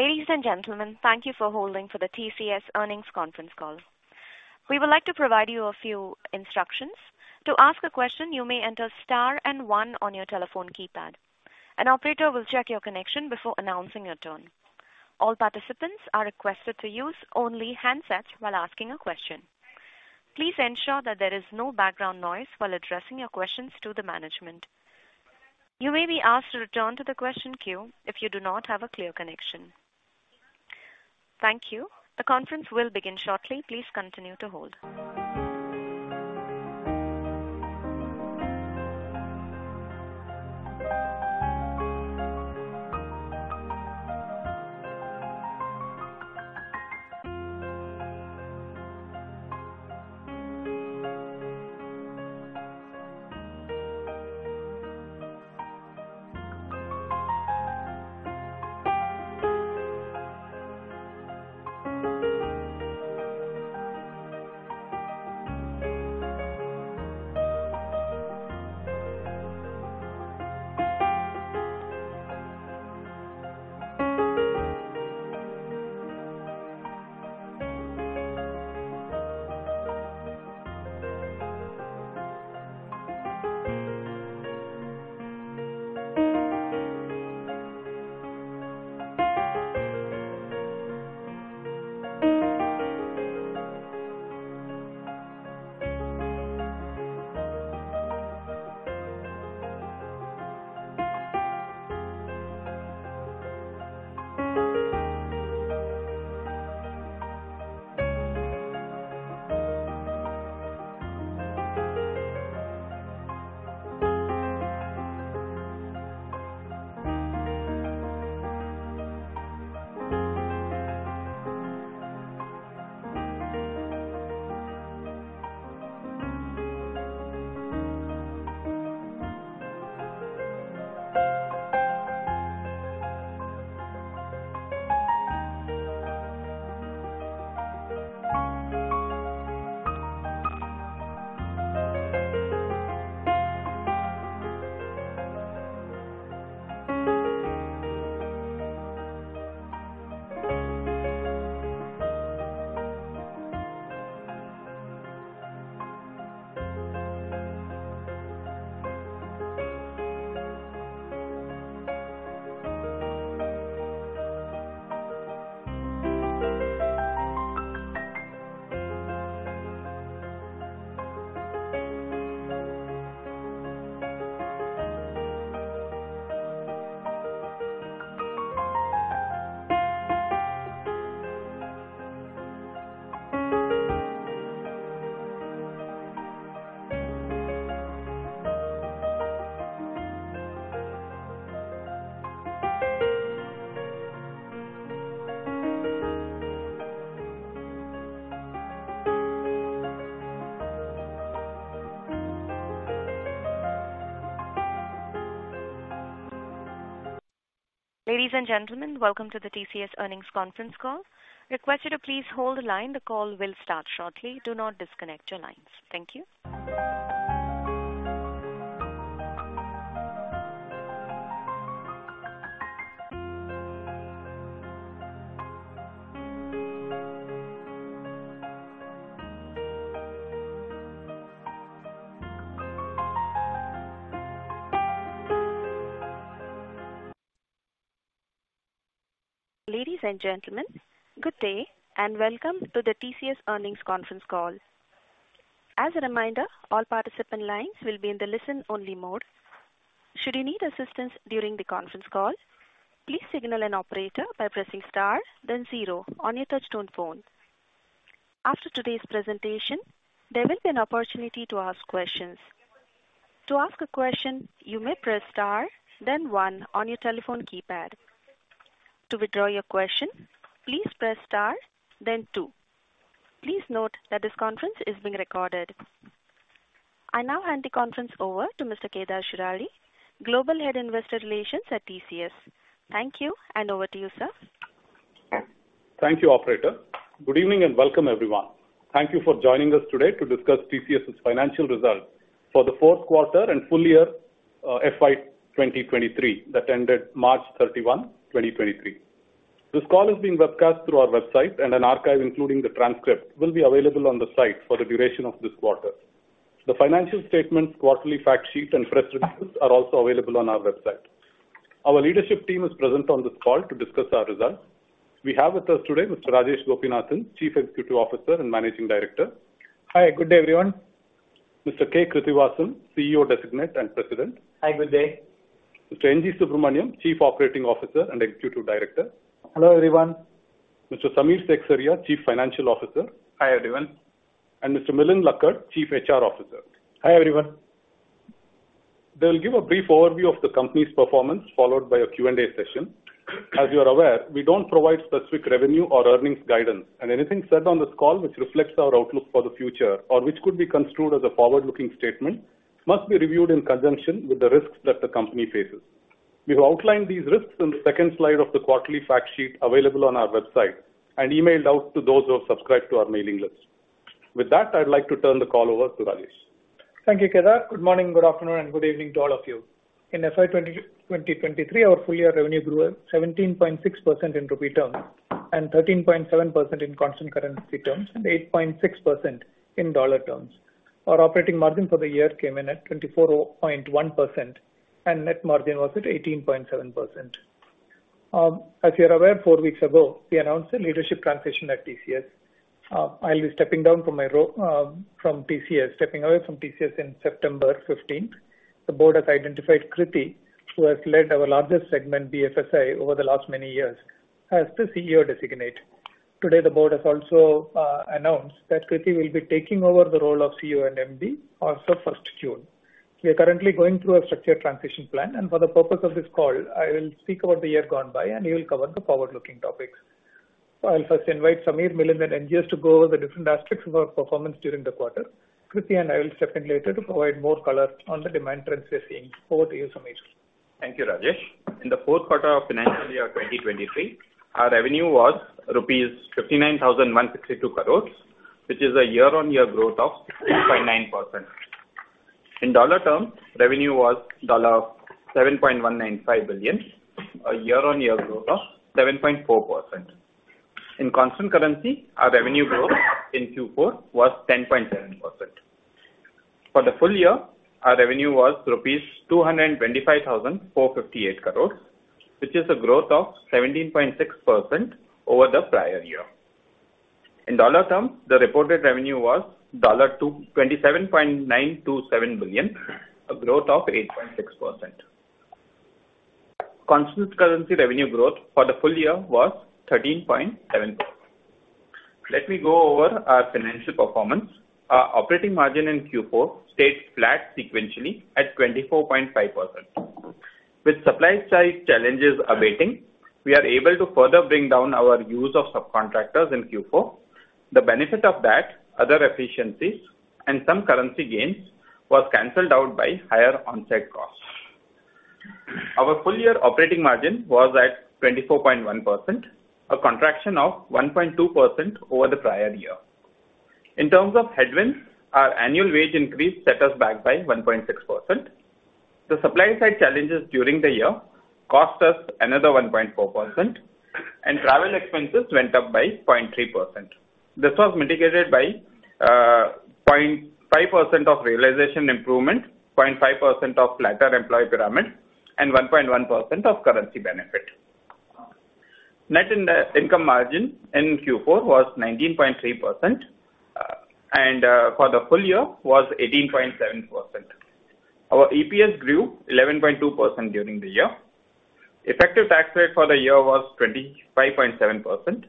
Ladies and gentlemen, good day and welcome to the TCS Earnings Conference Call. As a reminder, all participant lines will be in the listen-only mode. Should you need assistance during the conference call, please signal an operator by pressing star then zero on your touchtone phone. After today's presentation, there will be an opportunity to ask questions. To ask a question, you may press star then one on your telephone keypad. To withdraw your question, please press star then two. Please note that this conference is being recorded. I now hand the conference over to Mr. Kedar Shirali, Global Head, Investor Relations at TCS. Thank you, and over to you, sir. Thank you, operator. Good evening and welcome, everyone. Thank you for joining us today to discuss TCS's financial results for the fourth quarter and full-year, FY 2023 that ended March 31, 2023. This call is being webcast through our website, and an archive, including the transcript, will be available on the site for the duration of this quarter. The financial statement, quarterly fact sheet, and press releases are also available on our website. Our leadership team is present on this call to discuss our results. We have with us today Mr. Rajesh Gopinathan, Chief Executive Officer and Managing Director. Hi, good day, everyone. Mr. K. Krithivasan, CEO Designate and President. Hi, good day. Mr. NG Subramaniam, Chief Operating Officer and Executive Director. Hello, everyone. Mr. Samir Seksaria, Chief Financial Officer. Hi, everyone. Mr. Milind Lakkad, Chief HR Officer. Hi, everyone. They will give a brief overview of the company's performance, followed by a Q&A session. As you are aware, we don't provide specific revenue or earnings guidance, and anything said on this call which reflects our outlook for the future or which could be construed as a forward-looking statement must be reviewed in conjunction with the risks that the company faces. We've outlined these risks in the second slide of the quarterly fact sheet available on our website and emailed out to those who have subscribed to our mailing list. With that, I'd like to turn the call over to Rajesh. Thank you, Kedar. Good morning, good afternoon, and good evening to all of you. In FY 2023, our full-year revenue grew 17.6% in rupee terms, 13.7% in constant currency terms, and 8.6% in dollar terms. Our operating margin for the year came in at 24.1%, net margin was at 18.7%. As you're aware, four weeks ago, we announced a leadership transition at TCS. I'll be stepping down from TCS, stepping away from TCS in September 15th. The board has identified Krithi, who has led our largest segment, BFSI, over the last many years, as the CEO designate. Today, the board has also announced that Krithi will be taking over the role of CEO and MD as of June 1st. We are currently going through a structured transition plan, and for the purpose of this call, I will speak about the year gone by, and you will cover the forward-looking topics. I'll first invite Samir, Milind, and NGS to go over the different aspects of our performance during the quarter. Krithi and I will step in later to provide more color on the demand trends we are seeing. Over to you, Samir. Thank you, Rajesh. In the fourth quarter of financial year 2023, our revenue was rupees 59,162 crores, which is a year-on-year growth of 6.9%. In dollar terms, revenue was $7.195 billion, a year-on-year growth of 7.4%. In constant currency, our revenue growth in Q4 was 10.7%. For the full-year, our revenue was rupees 225,458 crores, which is a growth of 17.6% over the prior year. In dollar terms, the reported revenue was $27.927 billion, a growth of 8.6%. Constant currency revenue growth for the full-year was 13.7%. Let me go over our financial performance. Our operating margin in Q4 stayed flat sequentially at 24.5%. With supply-side challenges abating, we are able to further bring down our use of subcontractors in Q4. The benefit of that, other efficiencies, and some currency gains was canceled out by higher on-site costs. Our full-year operating margin was at 24.1%, a contraction of 1.2% over the prior year. In terms of headwinds, our annual wage increase set us back by 1.6%. The supply-side challenges during the year cost us another 1.4%, and travel expenses went up by 0.3%. This was mitigated by 0.5% of realization improvement, 0.5% of flatter employee pyramid, and 1.1% of currency benefit. Net in- income margin in Q4 was 19.3%, and for the full-year was 18.7%. Our EPS grew 11.2% during the year. Effective tax rate for the year was 25.7%.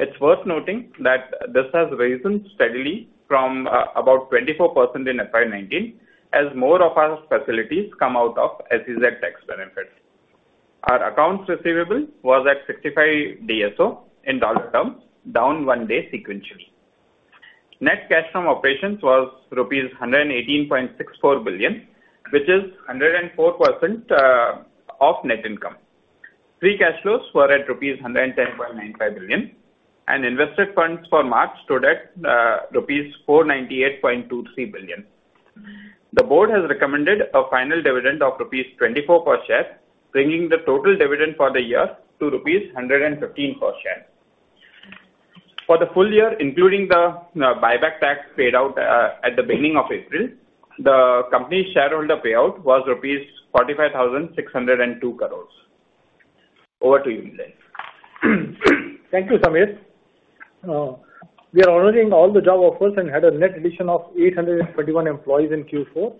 It's worth noting that this has risen steadily from about 24% in FY 2019 as more of our facilities come out of SEZ tax benefits. Our accounts receivable was at 65 DSO in dollar terms, down one day sequentially. Net cash from operations was rupees 118.64 billion, which is 104% of net income. Free cash flows were at rupees 110.95 billion, and invested funds for March stood at rupees 498.23 billion. The board has recommended a final dividend of rupees 24 per share, bringing the total dividend for the year to rupees 115 per share. For the full-year, including the buyback tax paid out at the beginning of April, the company shareholder payout was rupees 45,602 crores. Over to you, Milind. Thank you, Samir. We are honoring all the job offers and had a net addition of 821 employees in Q4,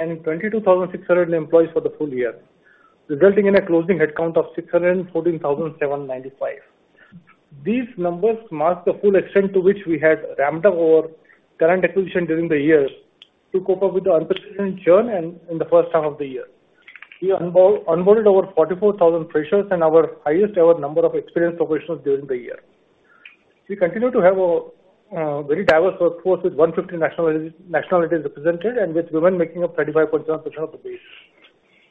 and 22,600 employees for the full-year, resulting in a closing headcount of 614,795. These numbers mark the full extent to which we had ramped up our current acquisition during the year to cope up with the unprecedented churn in the first half of the year. We onboarded over 44,000 freshers and our highest ever number of experienced professionals during the year. We continue to have a very diverse workforce with 150 nationalities represented, and with women making up 35.7% of the base.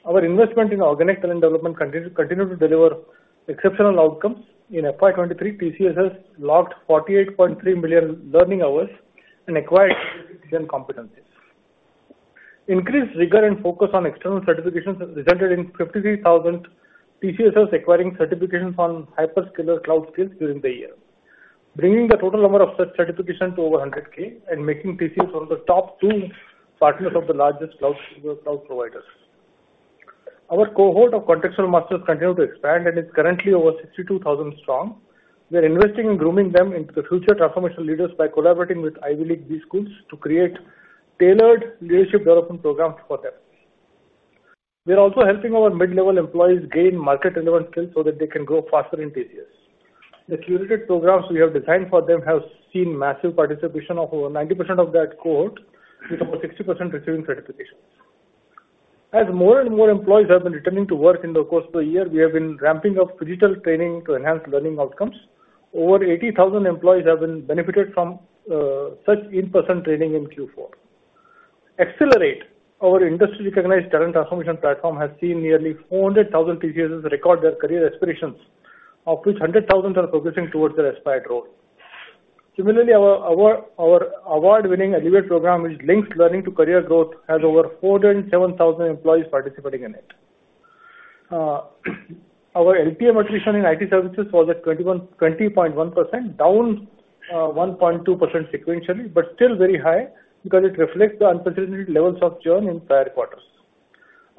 Our investment in organic talent development continued to deliver exceptional outcomes. In FY 2023, TCSers has logged 48.3 million learning hours and acquired 10 competencies. Increased rigor and focus on external certifications has resulted in 53,000 TCSers acquiring certifications on hyperscaler cloud skills during the year, bringing the total number of such certifications to over 100K and making TCS one of the top two partners of the largest cloud providers. Our cohort of Contextual Masters continue to expand and is currently over 62,000 strong. We are investing in grooming them into the future transformational leaders by collaborating with Ivy League B-schools to create tailored leadership development programs for them. We are also helping our mid-level employees gain market-relevant skills so that they can grow faster in TCS. The curated programs we have designed for them have seen massive participation of over 90% of that cohort, with over 60% receiving certifications. As more and more employees have been returning to work in the course of the year, we have been ramping up physical training to enhance learning outcomes. Over 80,000 employees have been benefited from such in-person training in Q4. Accelerate our industry recognized talent transformation platform has seen nearly 400,000 TCS record their career aspirations, of which 100,000 are progressing towards their aspired role. Similarly, our award-winning Elevate program, which links learning to career growth, has over 407,000 employees participating in it. Our LTM attrition in IT services was at 20.1%, down 1.2% sequentially, but still very high because it reflects the unprecedented levels of churn in prior quarters.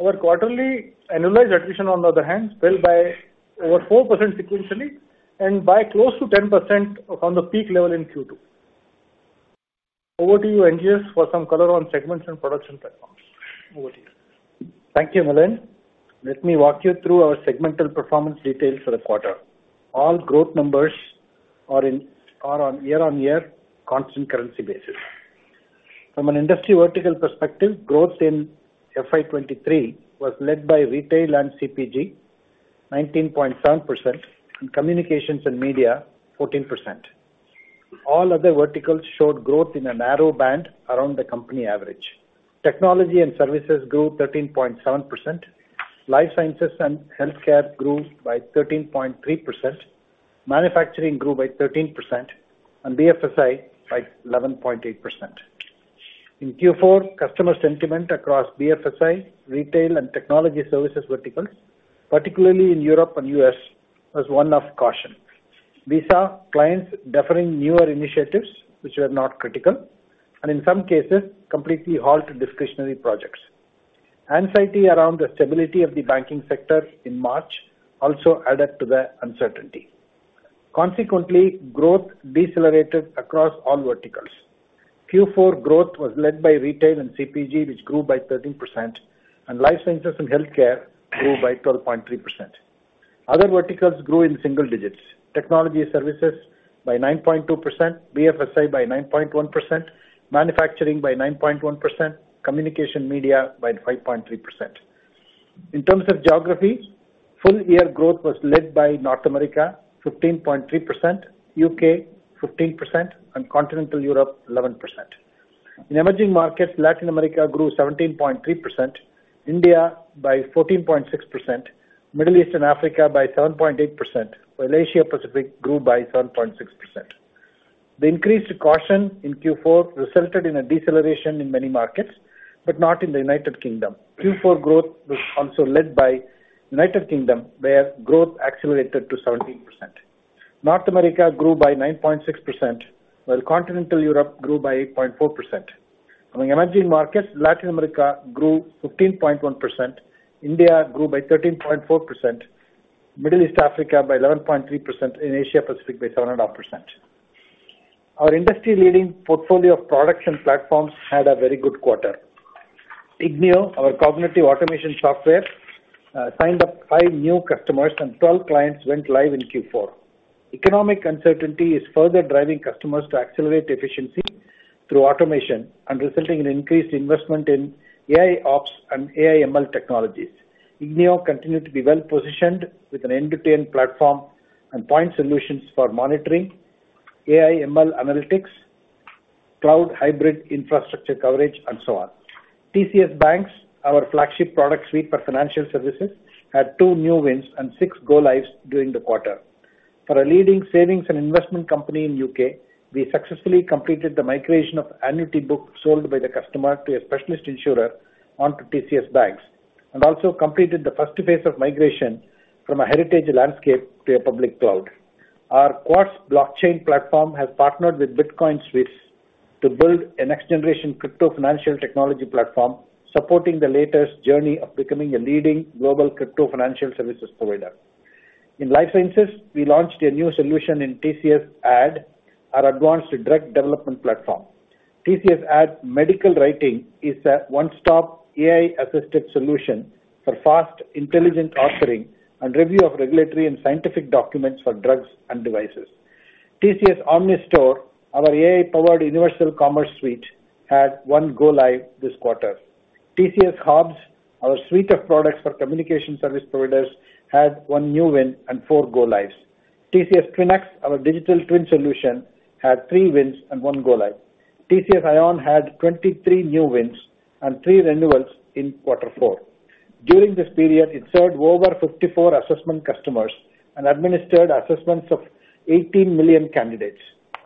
Our quarterly annualized attrition on the other hand fell by over 4% sequentially and by close to 10% from the peak level in Q2. Over to you, NGS, for some color on segments and production platforms. Over to you. Thank you, Milind. Let me walk you through our segmental performance details for the quarter. All growth numbers are on year-on-year constant currency basis. From an industry vertical perspective, growth in FY 2023 was led by retail and CPG 19.7% and communications and media 14%. All other verticals showed growth in a narrow band around the company average. Technology and services grew 13.7%. Life sciences and healthcare grew by 13.3%. Manufacturing grew by 13% and BFSI by 11.8%. In Q4, customer sentiment across BFSI, retail and technology services verticals, particularly in Europe and U.S., was one of caution. We saw clients deferring newer initiatives which were not critical and in some cases completely halt discretionary projects. Anxiety around the stability of the banking sector in March also added to the uncertainty. Consequently, growth decelerated across all verticals. Q4 growth was led by retail and CPG, which grew by 13%, and life sciences and healthcare grew by 12.3%. Other verticals grew in single-digits. Technology services by 9.2%, BFSI by 9.1%, manufacturing by 9.1%, communication media by 5.3%. In terms of geography, full-year growth was led by North America 15.3%, U.K. 15%, and Continental Europe 11%. In emerging markets, Latin America grew 17.3%, India by 14.6%, Middle East and Africa by 7.8%, while Asia Pacific grew by 7.6%. The increased caution in Q4 resulted in a deceleration in many markets, but not in the United Kingdom. Q4 growth was also led by U.K., where growth accelerated to 17%. North America grew by 9.6%, while Continental Europe grew by 8.4%. Among emerging markets, Latin America grew 15.1%, India grew by 13.4%, Middle East Africa by 11.3%, and Asia Pacific by 7.5%. Our industry-leading portfolio of products and platforms had a very good quarter. ignio, our cognitive automation software, signed up five new customers and 12 clients went live in Q4. Economic uncertainty is further driving customers to accelerate efficiency through automation and resulting in increased investment in AIOps and AI ML technologies. ignio continued to be well-positioned with an end-to-end platform and point solutions for monitoring AI ML analytics, cloud hybrid infrastructure coverage, and so on. TCS BaNCS, our flagship product suite for financial services, had two new wins and six go-lives during the quarter. For a leading savings and investment company in U.K., we successfully completed the migration of annuity books sold by the customer to a specialist insurer onto TCS BaNCS, and also completed the first phase of migration from a heritage landscape to a public cloud. Our Quartz blockchain platform has partnered with Bitcoin Suisse to build a next-generation crypto financial technology platform supporting the latest journey of becoming a leading global crypto financial services provider. In life sciences, we launched a new solution in TCS ADD, our advanced direct development platform. TCS ADD Medical Writing is a one-stop AI-assisted solution for fast intelligent authoring and review of regulatory and scientific documents for drugs and devices. TCS OmniStore, our AI-powered universal commerce suite, had one go-live this quarter. TCS HOBS, our suite of products for communication service providers, had one new win and four go-lives. TCS TwinX, our digital twin solution, had three wins and one go-live. TCS iON had 23 new wins and three renewals in quarter four. During this period, it served over 54 assessment customers and administered assessments of 18 million candidates.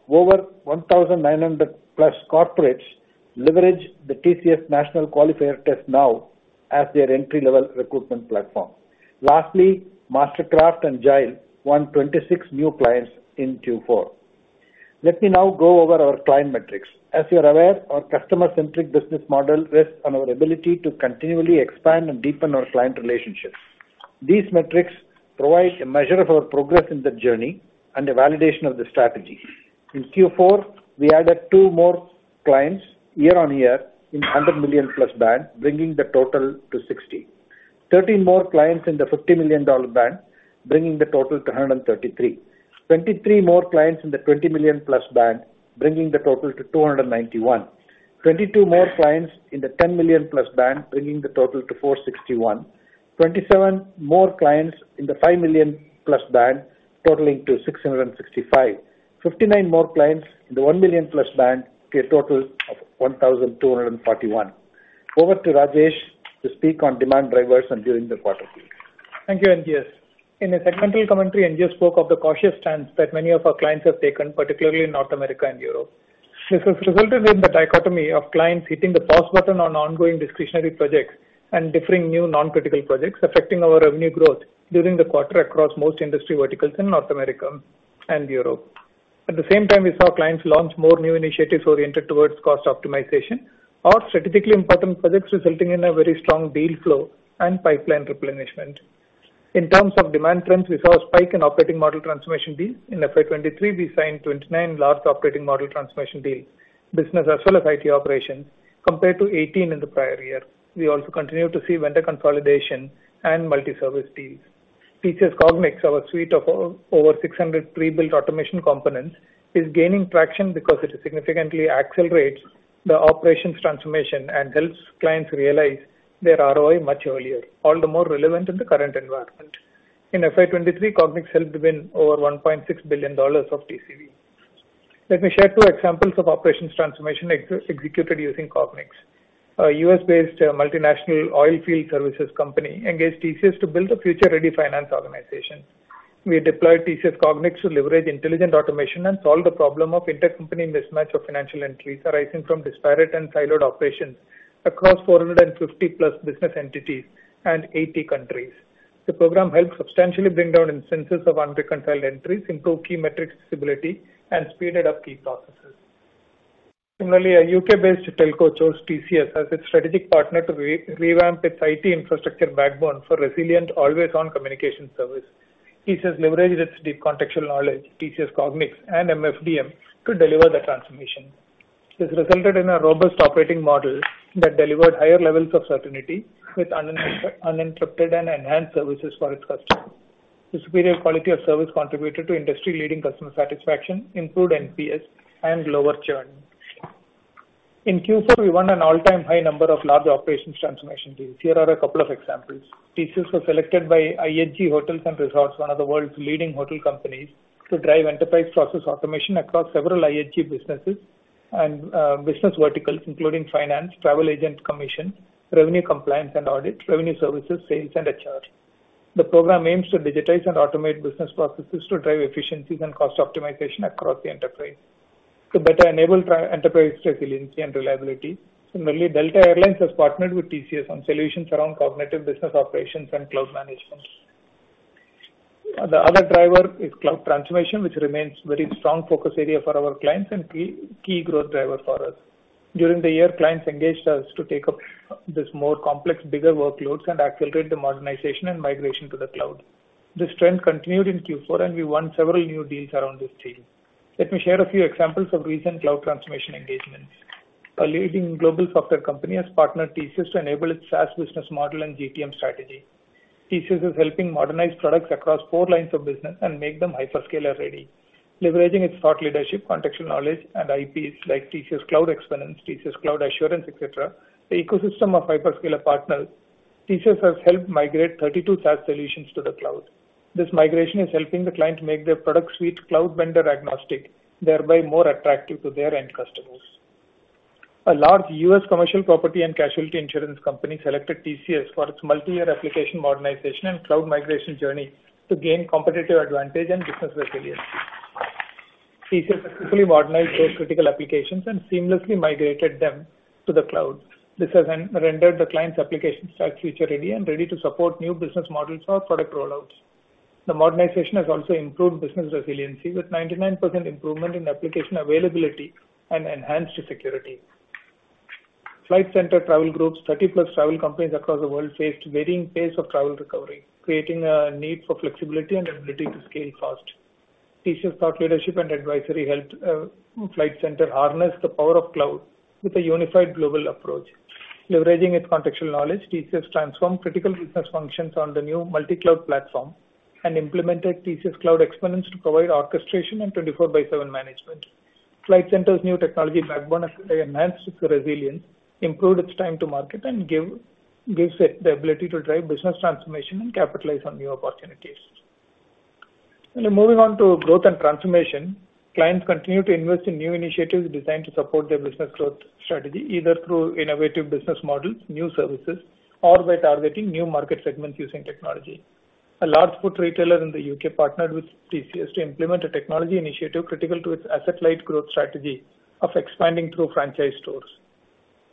Over 1,900+ corporates leverage the TCS National Qualifier Test now as their entry-level recruitment platform. MasterCraft and Jile won 26 new clients in Q4. Let me now go over our client metrics. As you are aware, our customer-centric business model rests on our ability to continually expand and deepen our client relationships. These metrics provide a measure of our progress in that journey and a validation of the strategy. In Q4, we added two more clients year-on-year in $100 million-plus band, bringing the total to 60. 13 more clients in the $50 million band, bringing the total to 133. 23 more clients in the $20 million-plus band, bringing the total to 291. 22 more clients in the $10 million-plus band, bringing the total to 461. 27 more clients in the $5 million-plus band, totaling to 665. 59 more clients in the $1 million-plus band to a total of 1,241. Over to Rajesh to speak on demand drivers and during the quarter. Thank you, NGS. In the segmental commentary, NGS spoke of the cautious stance that many of our clients have taken, particularly in North America and Europe. This has resulted in the dichotomy of clients hitting the pause button on ongoing discretionary projects and deferring new non-critical projects, affecting our revenue growth during the quarter across most industry verticals in North America and Europe. At the same time, we saw clients launch more new initiatives oriented towards cost optimization or strategically important projects, resulting in a very strong deal flow and pipeline replenishment. In terms of demand trends, we saw a spike in operating model transformation deals. In FY 2023, we signed 29 large operating model transformation deals, business as well as IT operations, compared to 18 in the prior year. We also continue to see vendor consolidation and multi-service deals. TCS Cognix, our suite of over 600 pre-built automation components, is gaining traction because it significantly accelerates the operations transformation and helps clients realize their ROI much earlier. All the more relevant in the current environment. In FY 2023, Cognix helped win over $1.6 billion of TCV. Let me share two examples of operations transformation executed using Cognix. A U.S.-based multinational oil field services company engaged TCS to build a future-ready finance organization. We deployed TCS Cognix to leverage intelligent automation and solve the problem of intercompany mismatch of financial entries arising from disparate and siloed operations across 450-plus business entities and 80 countries. The program helped substantially bring down instances of unreconciled entries, improve key metrics visibility, and speeded up key processes. Similarly, a U.K.-based telco chose TCS as its strategic partner to re-revamp its IT infrastructure backbone for resilient, always-on communication service. TCS leveraged its deep contextual knowledge, TCS Cognix, and MFDM to deliver the transformation. This resulted in a robust operating model that delivered higher levels of certainty with uninterrupted and enhanced services for its customers. The superior quality of service contributed to industry-leading customer satisfaction, improved NPS, and lower churn. In Q4, we won an all-time high number of large operations transformation deals. Here are a couple of examples. TCS was selected by IHG Hotels & Resorts, one of the world's leading hotel companies, to drive enterprise process automation across several IHG businesses and business verticals, including finance, travel agent commission, revenue compliance and audit, revenue services, sales, and HR. The program aims to digitize and automate business processes to drive efficiencies and cost optimization across the enterprise to better enable enterprise resiliency and reliability. Similarly, Delta Air Lines has partnered with TCS on solutions around cognitive business operations and cloud management. The other driver is cloud transformation, which remains very strong focus area for our clients and key growth driver for us. During the year, clients engaged us to take up this more complex, bigger workloads and accelerate the modernization and migration to the cloud. This trend continued in Q4, and we won several new deals around this theme. Let me share a few examples of recent cloud transformation engagements. A leading global software company has partnered TCS to enable its SaaS business model and GTM strategy. TCS is helping modernize products across four lines of business and make them hyperscaler-ready. Leveraging its thought leadership, contextual knowledge and IPs like TCS Cloud Exponence, TCS Cloud Assurance, et cetera, the ecosystem of hyperscaler partners, TCS has helped migrate 32 SaaS solutions to the cloud. This migration is helping the client make their product suite cloud vendor agnostic, thereby more attractive to their end customers. A large U.S. commercial property and casualty insurance company selected TCS for its multi-year application modernization and cloud migration journey to gain competitive advantage and business resilience. TCS has quickly modernized their critical applications and seamlessly migrated them to the cloud. This has rendered the client's application stack future-ready and ready to support new business models or product rollouts. The modernization has also improved business resiliency with 99% improvement in application availability and enhanced security. Flight Centre Travel Group's 30-plus travel companies across the world faced varying pace of travel recovery, creating a need for flexibility and ability to scale fast. TCS thought leadership and advisory helped Flight Centre harness the power of cloud with a unified global approach. Leveraging its contextual knowledge, TCS transformed critical business functions on the new multi-cloud platform and implemented TCS Cloud Exponence to provide orchestration and 24 by 7 management. Flight Centre's new technology backbone has enhanced its resilience, improved its time to market, and gives it the ability to drive business transformation and capitalize on new opportunities. Moving on to growth and transformation, clients continue to invest in new initiatives designed to support their business growth strategy, either through innovative business models, new services, or by targeting new market segments using technology. A large food retailer in the U.K. partnered with TCS to implement a technology initiative critical to its asset-light growth strategy of expanding through franchise stores.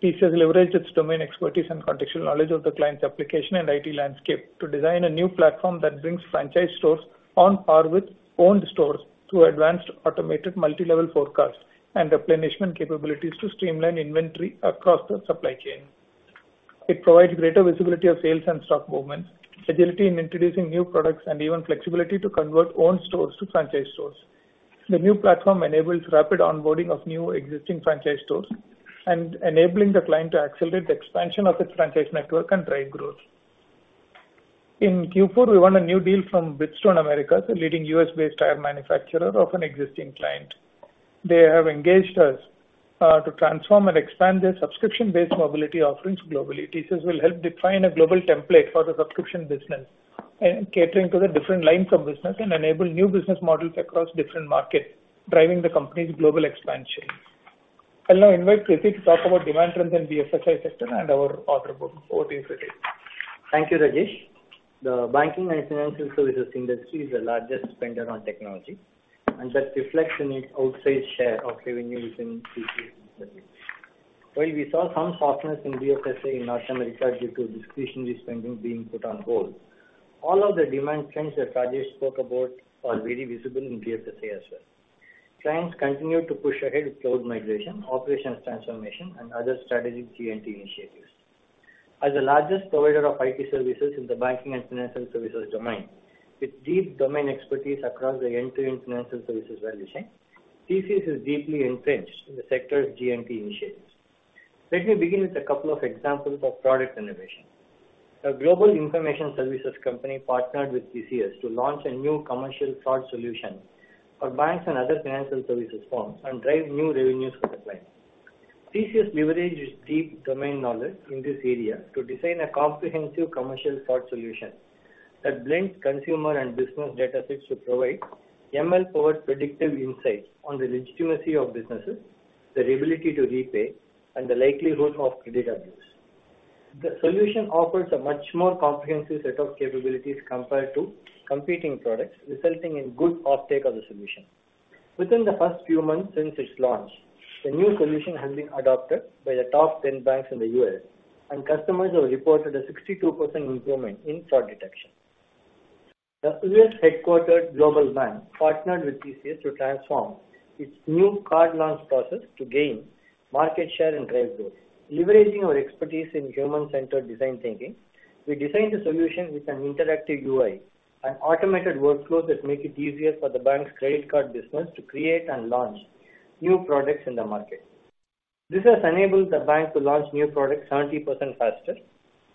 TCS leveraged its domain expertise and contextual knowledge of the client's application and IT landscape to design a new platform that brings franchise stores on par with owned stores through advanced automated multi-level forecast and replenishment capabilities to streamline inventory across the supply chain. It provides greater visibility of sales and stock movements, agility in introducing new products, and even flexibility to convert owned stores to franchise stores. The new platform enables rapid onboarding of new existing franchise stores and enabling the client to accelerate the expansion of its franchise network and drive growth. In Q4, we won a new deal from Bridgestone Americas, a leading U.S.-based tire manufacturer of an existing client. They have engaged us, so transform and expand their subscription-based mobility offerings globally. TCS will help define a global template for the subscription business and catering to the different lines of business and enable new business models across different markets, driving the company's global expansion. I'll now invite Krithi to talk about demand trends in BFSI sector and our order book. Over to you, Krithi. Thank you, Rajesh. The banking and financial services industry is the largest spender on technology, that reflects in its outside share of revenue within TCS services. While we saw some softness in BFSI in North America due to discretionary spending being put on hold, all of the demand trends that Rajesh spoke about are very visible in BFSI as well. Clients continue to push ahead with cloud migration, operations transformation and other strategic GNT initiatives. As the largest provider of IT services in the banking and financial services domain, with deep domain expertise across the end-to-end financial services value chain, TCS is deeply entrenched in the sector's GNT initiatives. Let me begin with a couple of examples of product innovation. A global information services company partnered with TCS to launch a new commercial fraud solution for banks and other financial services firms and drive new revenues for the client. TCS leveraged its deep domain knowledge in this area to design a comprehensive commercial fraud solution that blends consumer and business datasets to provide ML-powered predictive insights on the legitimacy of businesses, their ability to repay and the likelihood of credit abuse. The solution offers a much more comprehensive set of capabilities compared to competing products, resulting in good uptake of the solution. Within the first few months since its launch, the new solution has been adopted by the top 10 banks in the US, and customers have reported a 62% improvement in fraud detection. A Swiss-headquartered global bank partnered with TCS to transform its new card launch process to gain market share and drive growth. Leveraging our expertise in human-centered design thinking, we designed a solution with an interactive UI and automated workflows that make it easier for the bank's credit card business to create and launch new products in the market. This has enabled the bank to launch new products 70% faster.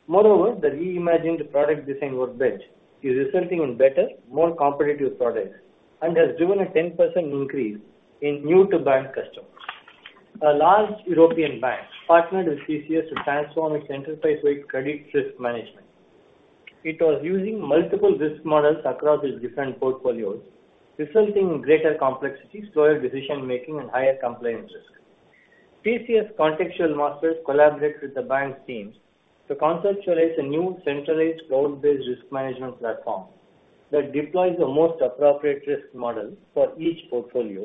Moreover, the reimagined product design workbench is resulting in better, more competitive products and has driven a 10% increase in new-to-bank customers. A large European bank partnered with TCS to transform its enterprise-wide credit risk management. It was using multiple risk models across its different portfolios, resulting in greater complexity, slower decision-making and higher compliance risk. TCS Contextual Masters collaborate with the bank's teams to conceptualize a new centralized cloud-based risk management platform that deploys the most appropriate risk model for each portfolio,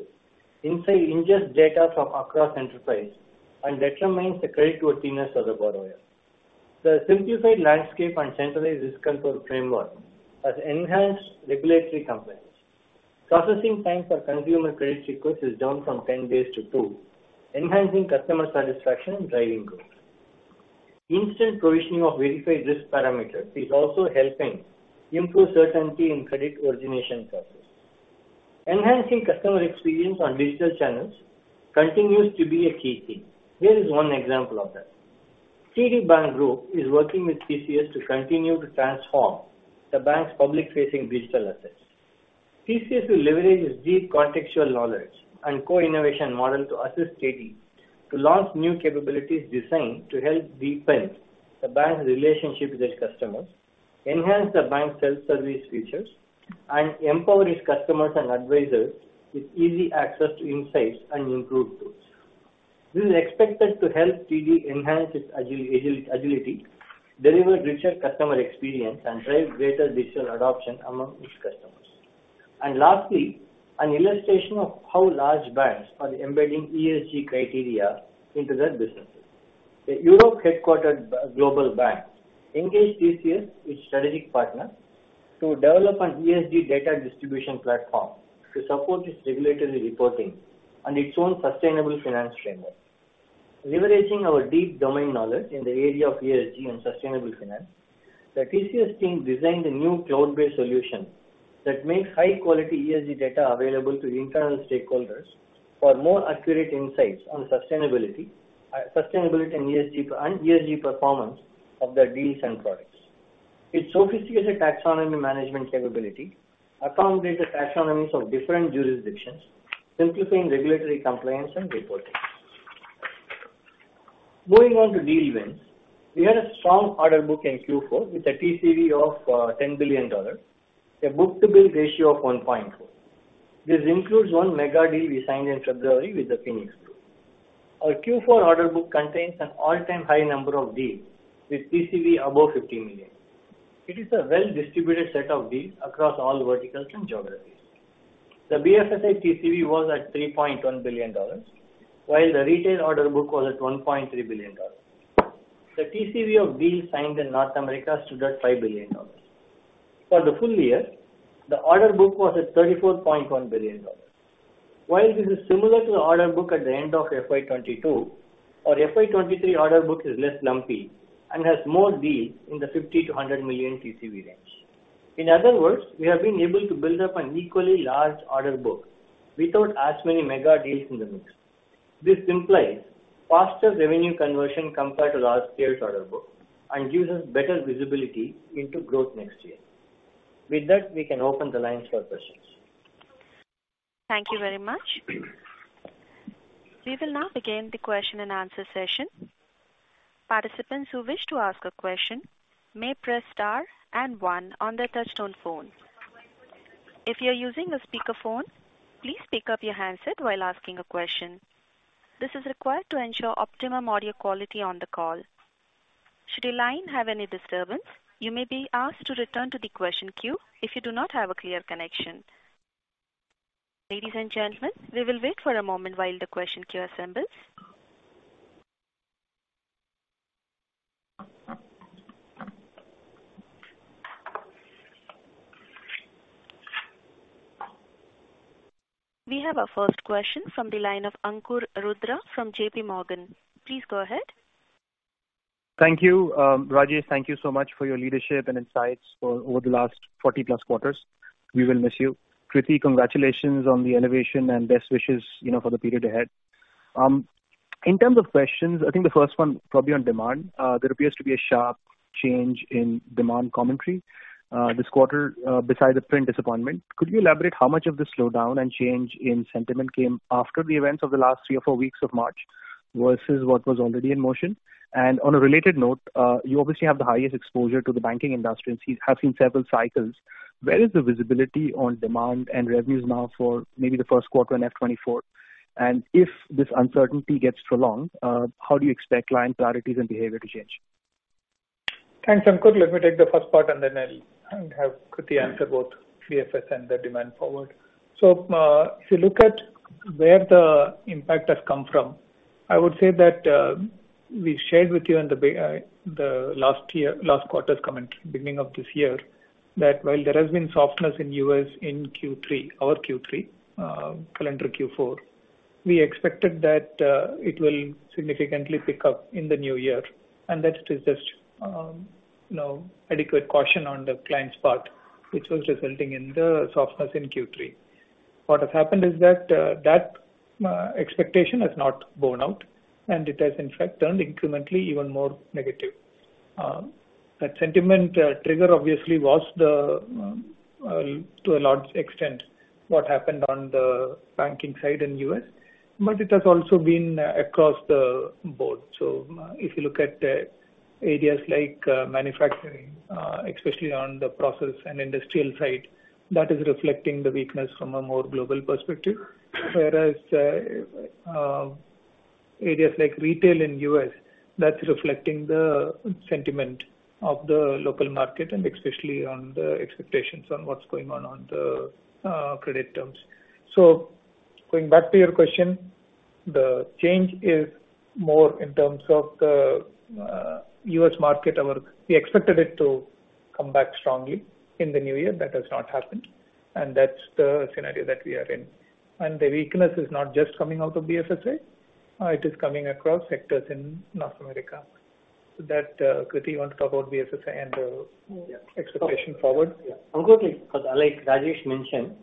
insight ingest data from across enterprise, and determines the creditworthiness of the borrower. The simplified landscape and centralized risk control framework has enhanced regulatory compliance. Processing time for consumer credit requests is down from 10 days to two, enhancing customer satisfaction and driving growth. Instant provisioning of verified risk parameters is also helping improve certainty in credit origination process. Enhancing customer experience on digital channels continues to be a key thing. Here is one example of that. TD Bank Group is working with TCS to continue to transform the bank's public-facing digital assets. TCS will leverage its deep contextual knowledge and co-innovation model to assist TD to launch new capabilities designed to help deepen the bank's relationship with its customers, enhance the bank's self-service features, and empower its customers and advisors with easy access to insights and improved tools. This is expected to help TD enhance its agility, deliver richer customer experience, and drive greater digital adoption among its customers. Lastly, an illustration of how large banks are embedding ESG criteria into their businesses. A Europe-headquartered global bank engaged TCS, its strategic partner, to develop an ESG data distribution platform to support its regulatory reporting and its own sustainable finance framework. Leveraging our deep domain knowledge in the area of ESG and sustainable finance, the TCS team designed a new cloud-based solution that makes high-quality ESG data available to internal stakeholders for more accurate insights on sustainability and ESG performance of their deals and products. Its sophisticated taxonomy management capability account data taxonomies of different jurisdictions, simplifying regulatory compliance and reporting. Going on to deal wins. We had a strong order book in Q4 with a TCV of $10 billion, a book-to-bill ratio of 1.4. This includes one mega deal we signed in February with The Phoenix Group. Our Q4 order book contains an all-time high number of deals with TCV above $50 million. It is a well-distributed set of deals across all verticals and geographies. The BFSI TCV was at $3.1 billion, while the retail order book was at $1.3 billion. The TCV of deals signed in North America stood at $5 billion. For the full-year, the order book was at $34.1 billion. While this is similar to the order book at the end of FY 2022, our FY 2023 order book is less lumpy and has more deals in the $50 million-$100 million TCV range. In other words, we have been able to build up an equally large order book without as many mega deals in the mix. This implies faster revenue conversion compared to last year's order book and gives us better visibility into growth next year. With that, we can open the lines for questions. Thank you very much. We will now begin the question-and-answer session. Participants who wish to ask a question may press star and one on their touch-tone phone. If you're using a speakerphone, please pick up your handset while asking a question. This is required to ensure optimum audio quality on the call. Should a line have any disturbance, you may be asked to return to the question queue if you do not have a clear connection. Ladies and gentlemen, we will wait for a moment while the question queue assembles. We have our first question from the line of Ankur Rudra from JPMorgan. Please go ahead. Thank you. Rajesh, thank you so much for your leadership and insights for over the last 40+ quarters. We will miss you. Krithi, congratulations on the innovation and best wishes, you know, for the period ahead. In terms of questions, I think the first one probably on demand. There appears to be a sharp change in demand commentary, this quarter, besides the print disappointment. Could you elaborate how much of the slowdown and change in sentiment came after the events of the last three or four weeks of March versus what was already in motion? On a related note, you obviously have the highest exposure to the banking industry and have seen several cycles. Where is the visibility on demand and revenues now for maybe the first quarter in FY 2024? If this uncertainty gets prolonged, how do you expect client priorities and behavior to change? Thanks, Ankur. Let me take the first part. Then I'll have Krithi answer both BFSI and the demand forward. If you look at where the impact has come from, I would say that we shared with you on the last year, last quarter's commentary, beginning of this year, that while there has been softness in U.S. in Q3, our Q3, calendar Q4, we expected that it will significantly pick up in the new year, that it is just, you know, adequate caution on the client's part, which was resulting in the softness in Q3. What has happened is that expectation has not borne out. It has in fact turned incrementally even more negative. That sentiment trigger obviously was the to a large extent what happened on the banking side in U.S. It has also been across the board. If you look at areas like manufacturing, especially on the process and industrial side, that is reflecting the weakness from a more global perspective. Whereas areas like retail in U.S., that's reflecting the sentiment of the local market and especially on the expectations on what's going on on the credit terms. Going back to your question, the change is more in terms of the U.S. market. We expected it to come back strongly in the new year. That has not happened, and that's the scenario that we are in. The weakness is not just coming out of BFSI, it is coming across sectors in North America. That Krithi want to talk about BFSI and expectation forward? Yeah. Absolutely. Like Rajesh mentioned,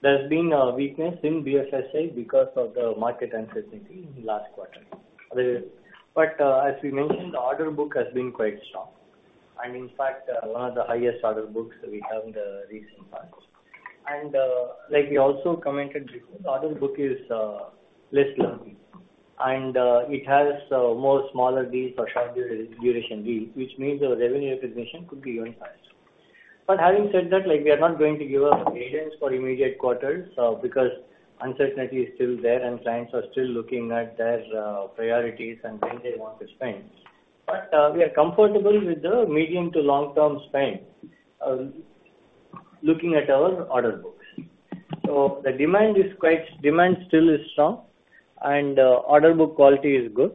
there's been a weakness in BFSI because of the market uncertainty in last quarter. As we mentioned, the order book has been quite strong and in fact, one of the highest order books we have in the recent past. Like we also commented before, the order book is less lumpy and it has more smaller deals or short duration deals, which means the revenue recognition could be even higher. Having said that, like, we are not going to give up guidance for immediate quarters, because uncertainty is still there and clients are still looking at their priorities and things they want to spend. We are comfortable with the medium to long-term spend, looking at our order books. Demand still is strong and, order book quality is good.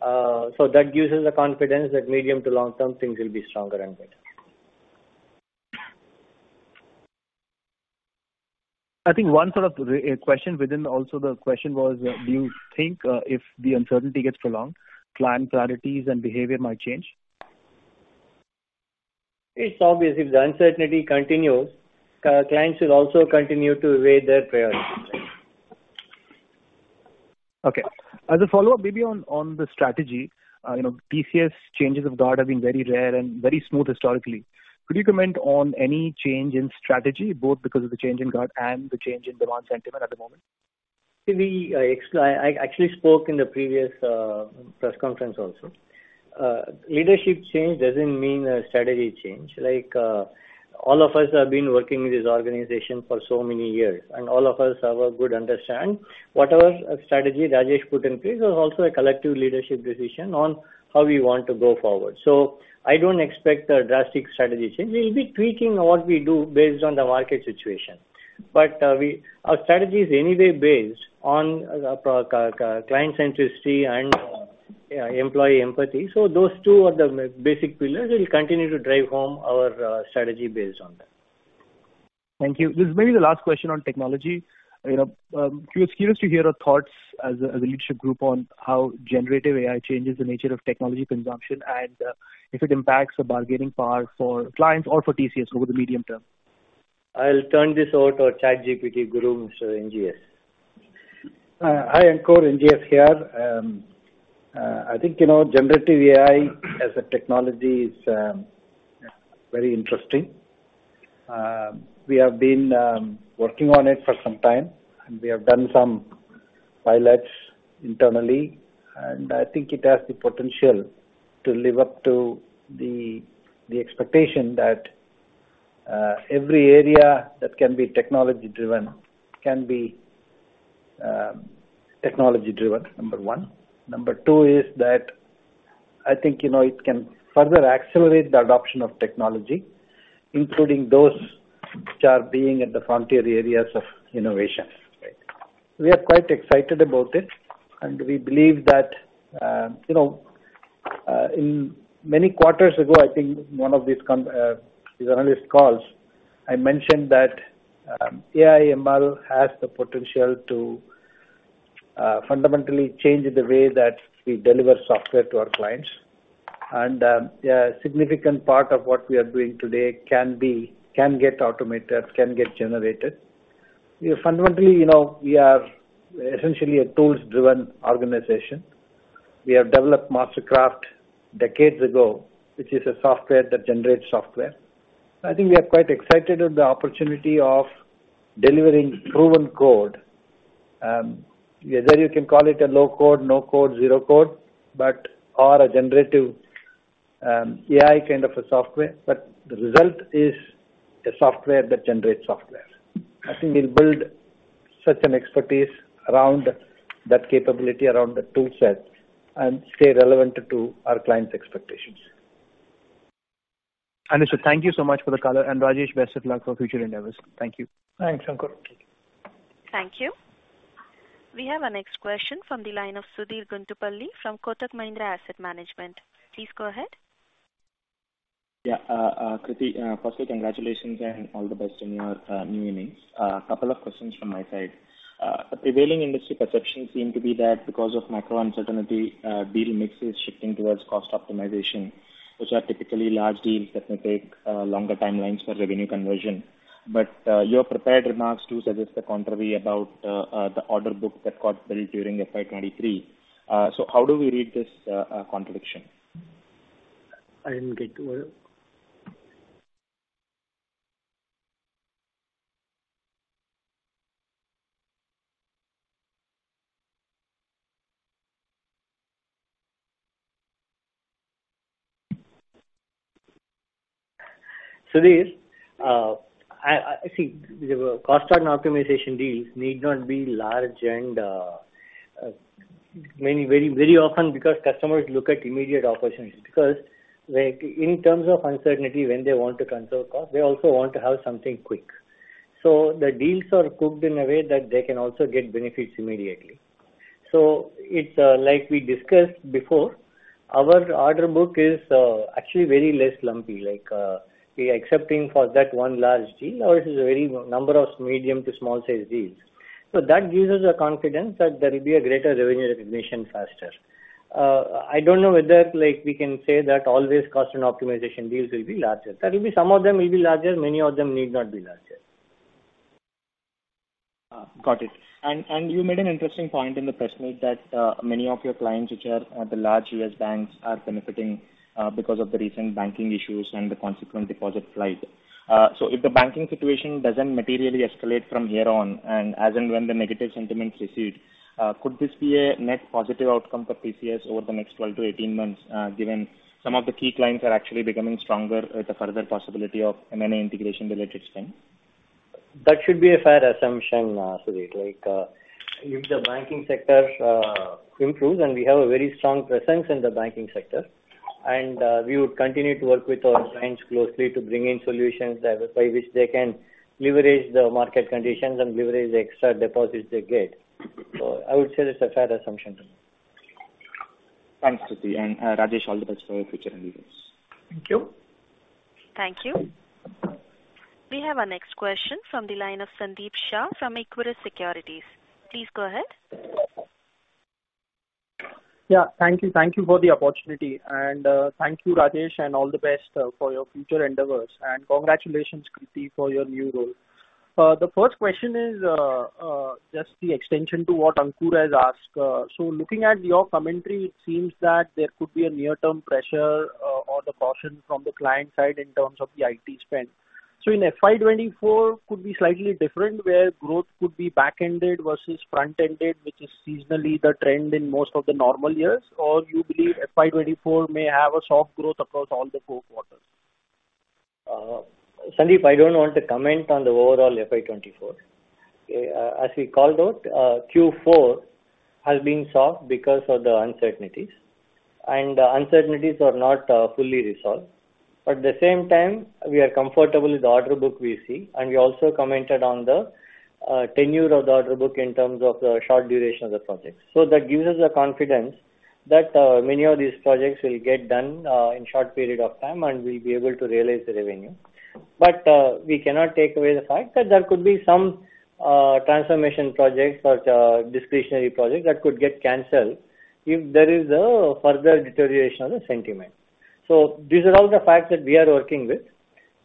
That gives us the confidence that medium to long-term things will be stronger and better. I think one sort of re- question within also the question was, do you think, if the uncertainty gets prolonged, client priorities and behavior might change? It's obvious. If the uncertainty continues, clients will also continue to weigh their priorities, right? Okay. As a follow-up, maybe on the strategy, you know, TCS changes of guard have been very rare and very smooth historically. Could you comment on any change in strategy, both because of the change in guard and the change in demand sentiment at the moment? We actually spoke in the previous press conference also. Leadership change doesn't mean a strategy change. Like all of us have been working in this organization for so many years, and all of us have a good understand. Whatever strategy Rajesh put in place was also a collective leadership decision on how we want to go forward. I don't expect a drastic strategy change. We'll be tweaking what we do based on the market situation. But our strategy is anyway based on client centricity and yeah, employee empathy. Those two are the basic pillars. We'll continue to drive home our strategy based on that. Thank you. This is maybe the last question on technology. You know, curious to hear your thoughts as a leadership group on how generative AI changes the nature of technology consumption and if it impacts the bargaining power for clients or for TCS over the medium term? I'll turn this over to our ChatGPT guru, Mr. NGS. Hi, Ankur. NGS here. I think, you know, generative AI as a technology is very interesting. We have been working on it for some time, and we have done some pilots internally. I think it has the potential to live up to the expectation that every area that can be technology-driven can be technology-driven, number one. Number two is that I think, you know, it can further accelerate the adoption of technology, including those which are being at the frontier areas of innovation. Right. We are quite excited about it, and we believe that, you know, in many quarters ago, I think one of these... These analyst calls, I mentioned that AI/ML has the potential to fundamentally change the way that we deliver software to our clients. A significant part of what we are doing today can get automated, can get generated. We fundamentally, you know, we are essentially a tools-driven organization. We have developed MasterCraft decades ago, which is a software that generates software. I think we are quite excited at the opportunity of delivering proven code. Either you can call it a low code, no code, zero code, or a generative AI kind of a software. The result is a software that generates software. I think we'll build such an expertise around that capability, around the tool set and stay relevant to our clients' expectations. Anish, thank you so much for the call. Rajesh, best of luck for future endeavors. Thank you. Thanks, Ankur. Thank you. We have our next question from the line of Sudheer Guntupalli from Kotak Mahindra Asset Management. Please go ahead. Yeah. Krithi, firstly, congratulations and all the best in your new innings. A couple of questions from my side. The prevailing industry perception seem to be that because of macro uncertainty, deal mix is shifting towards cost optimization, which are typically large deals that may take longer timelines for revenue conversion. Your prepared remarks do suggest the contrary about the order book that got built during FY 2023. How do we read this contradiction? I didn't get you. Sudheer. See, the cost optimization deals need not be large and very, very often because customers look at immediate opportunities. Because like in terms of uncertainty, when they want to control cost, they also want to have something quick. The deals are cooked in a way that they can also get benefits immediately. It's like we discussed before, our order book is actually very less lumpy. Like we are excepting for that one large deal or it is a very number of medium to small size deals. That gives us the confidence that there will be a greater revenue recognition faster. I don't know whether, like, we can say that always cost and optimization deals will be larger. There will be some of them will be larger, many of them need not be larger. Got it. You made an interesting point in the press meet that many of your clients, which are the large U.S. banks, are benefiting because of the recent banking issues and the consequent deposit flight. If the banking situation doesn't materially escalate from here on and as and when the negative sentiments recede, could this be a net positive outcome for TCS over the next 12 to 18 months, given some of the key clients are actually becoming stronger with the further possibility of M&A integration-related spend? That should be a fair assumption, Sudheer. Like, if the banking sector improves, and we have a very strong presence in the banking sector, and we would continue to work with our clients closely to bring in solutions by which they can leverage the market conditions and leverage the extra deposits they get. I would say that's a fair assumption. Thanks, Krithi. Rajesh, all the best for your future endeavors. Thank you. Thank you. We have our next question from the line of Sandeep Shah from Equirus Securities. Please go ahead. Thank you. Thank you for the opportunity. Thank you, Rajesh, and all the best for your future endeavors. Congratulations, Krithi, for your new role. The first question is, just the extension to what Ankur has asked. Looking at your commentary, it seems that there could be a near-term pressure, or the caution from the client side in terms of the IT spend. In FY 2024 could be slightly different, where growth could be back-ended versus front-ended, which is seasonally the trend in most of the normal years. You believe FY 2024 may have a soft growth across all the 4 quarters? Sandeep, I don't want to comment on the overall FY 2024. As we called out, Q4 has been soft because of the uncertainties, and the uncertainties are not fully resolved. At the same time, we are comfortable with the order book we see, and we also commented on the tenure of the order book in terms of the short duration of the project. That gives us the confidence that many of these projects will get done in short period of time, and we'll be able to realize the revenue. We cannot take away the fact that there could be some transformation projects or discretionary projects that could get canceled if there is a further deterioration of the sentiment. These are all the facts that we are working with.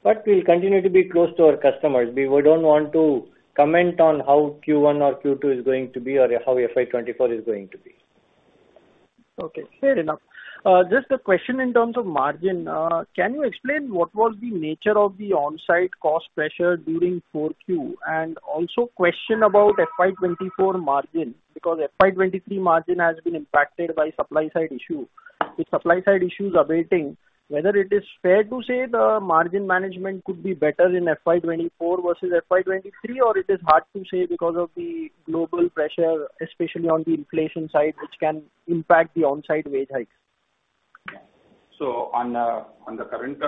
We'll continue to be close to our customers. We don't want to comment on how Q1 or Q2 is going to be or how FY 2024 is going to be. Okay, fair enough. Just a question in terms of margin. Can you explain what was the nature of the on-site cost pressure during Q4? Also question about FY 2024 margin, because FY 2023 margin has been impacted by supply side issue. With supply side issues abating, whether it is fair to say the margin management could be better in FY 2024 versus FY 2023, or it is hard to say because of the global pressure, especially on the inflation side, which can impact the on-site wage hikes? On the current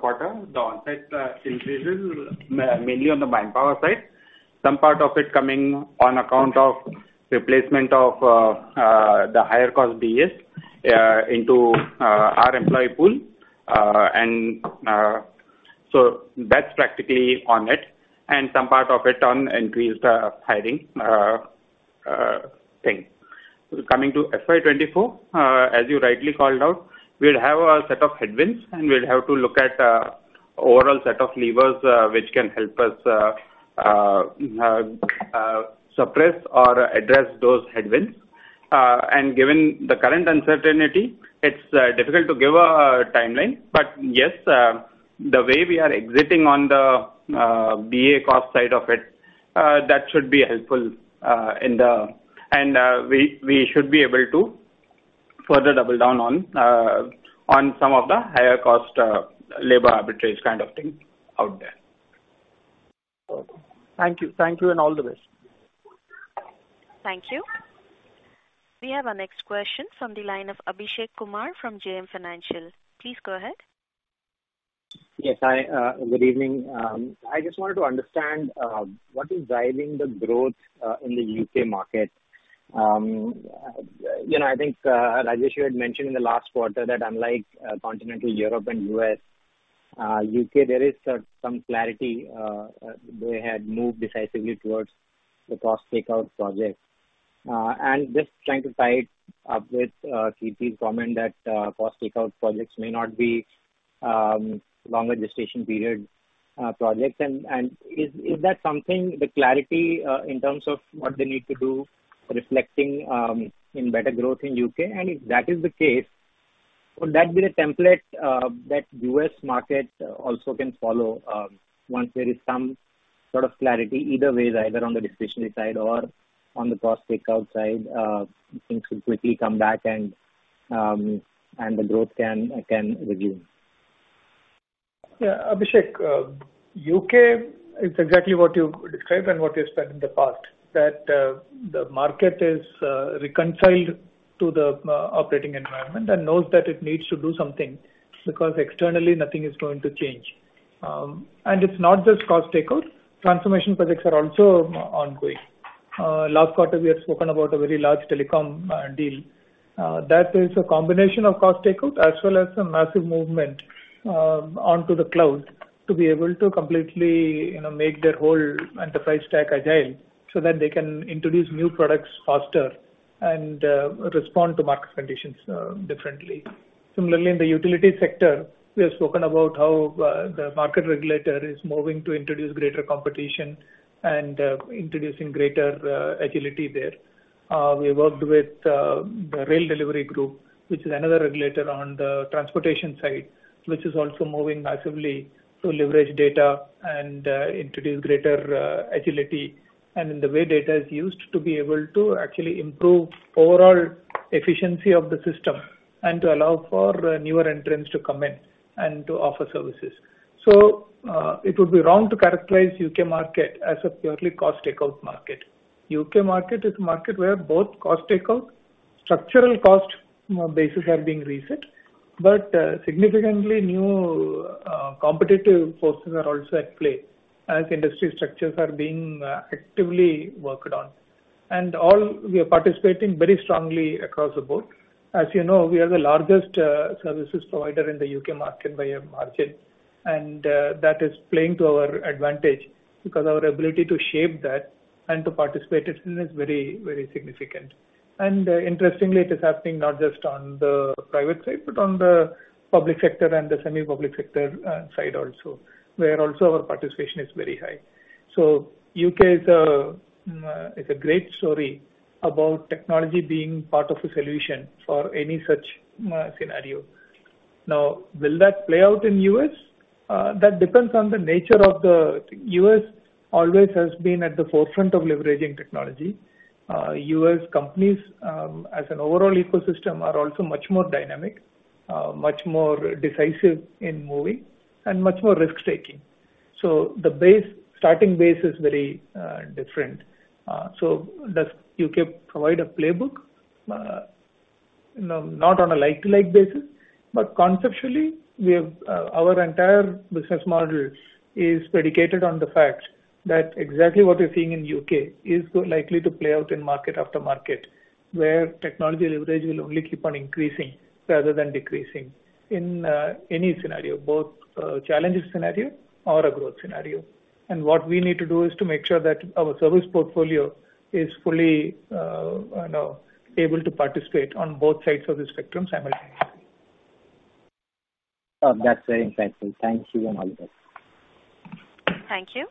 quarter, the on-site inflation mainly on the manpower side. Some part of it coming on account of replacement of the higher cost BAs into our employee pool. That's practically on it, and some part of it on increased hiring thing. Coming to FY 2024, as you rightly called out, we'll have a set of headwinds, and we'll have to look at overall set of levers which can help us suppress or address those headwinds. Given the current uncertainty, it's difficult to give a timeline. Yes, the way we are exiting on the BA cost side of it, that should be helpful in the...We should be able to further double down on some of the higher cost labor arbitrage kind of thing out there. Okay. Thank you. Thank you and all the best. Thank you. We have our next question from the line of Abhishek Kumar from JM Financial. Please go ahead. Yes. Hi, good evening. I just wanted to understand what is driving the growth in the U.K. market. You know, I think Rajesh, you had mentioned in the last quarter that unlike continental Europe and U.S., U.K. there is some clarity. They had moved decisively towards the cost takeout project. Just trying to tie it up with TP's comment that cost takeout projects may not be longer gestation period projects. Is that something the clarity in terms of what they need to do reflecting in better growth in U.K.?If that is the case, would that be the template that U.S. markets also can follow once there is some sort of clarity, either way, either on the discretionary side or on the cost takeout side, things will quickly come back and the growth can resume? Yeah. Abhishek, U.K. is exactly what you described and what you've said in the past, that the market is reconciled to the operating environment and knows that it needs to do something because externally nothing is going to change. It's not just cost takeout, transformation projects are also ongoing. Last quarter we had spoken about a very large telecom deal. That is a combination of cost takeout as well as a massive movement onto the cloud to be able to completely, you know, make their whole enterprise stack agile so that they can introduce new products faster and respond to market conditions differently. Similarly, in the utility sector, we have spoken about how the market regulator is moving to introduce greater competition and introducing greater agility there. We worked with the Rail Delivery Group, which is another regulator on the transportation side, which is also moving massively to leverage data and introduce greater agility and in the way data is used to be able to actually improve overall efficiency of the system and to allow for newer entrants to come in and to offer services. It would be wrong to characterize U.K. market as a purely cost takeout market. U.K. market is a market where both cost takeout, structural cost basis are being reset, but significantly new competitive forces are also at play as industry structures are being actively worked on. All, we are participating very strongly across the board. As you know, we are the largest services provider in the U.K. market by a margin, and that is playing to our advantage because our ability to shape that and to participate in is very significant. Interestingly, it is happening not just on the private side, but on the public sector and the semi-public sector side also, where also our participation is very high. U.K. is a great story about technology being part of a solution for any such scenario. Now, will that play out in U.S.? That depends on the nature of. U.S. always has been at the forefront of leveraging technology. U.S. companies, as an overall ecosystem are also much more dynamic, much more decisive in moving and much more risk-taking. The base, starting base is very different. Does U.K. provide a playbook? No, not on a like-to-like basis, but conceptually, we have, our entire business model is predicated on the fact that exactly what we're seeing in U.K. is likely to play out in market after market, where technology leverage will only keep on increasing rather than decreasing in any scenario, both a challenging scenario or a growth scenario. What we need to do is to make sure that our service portfolio is fully, you know, able to participate on both sides of the spectrum simultaneously. Oh, that's very insightful. Thank you and all the best. Thank you.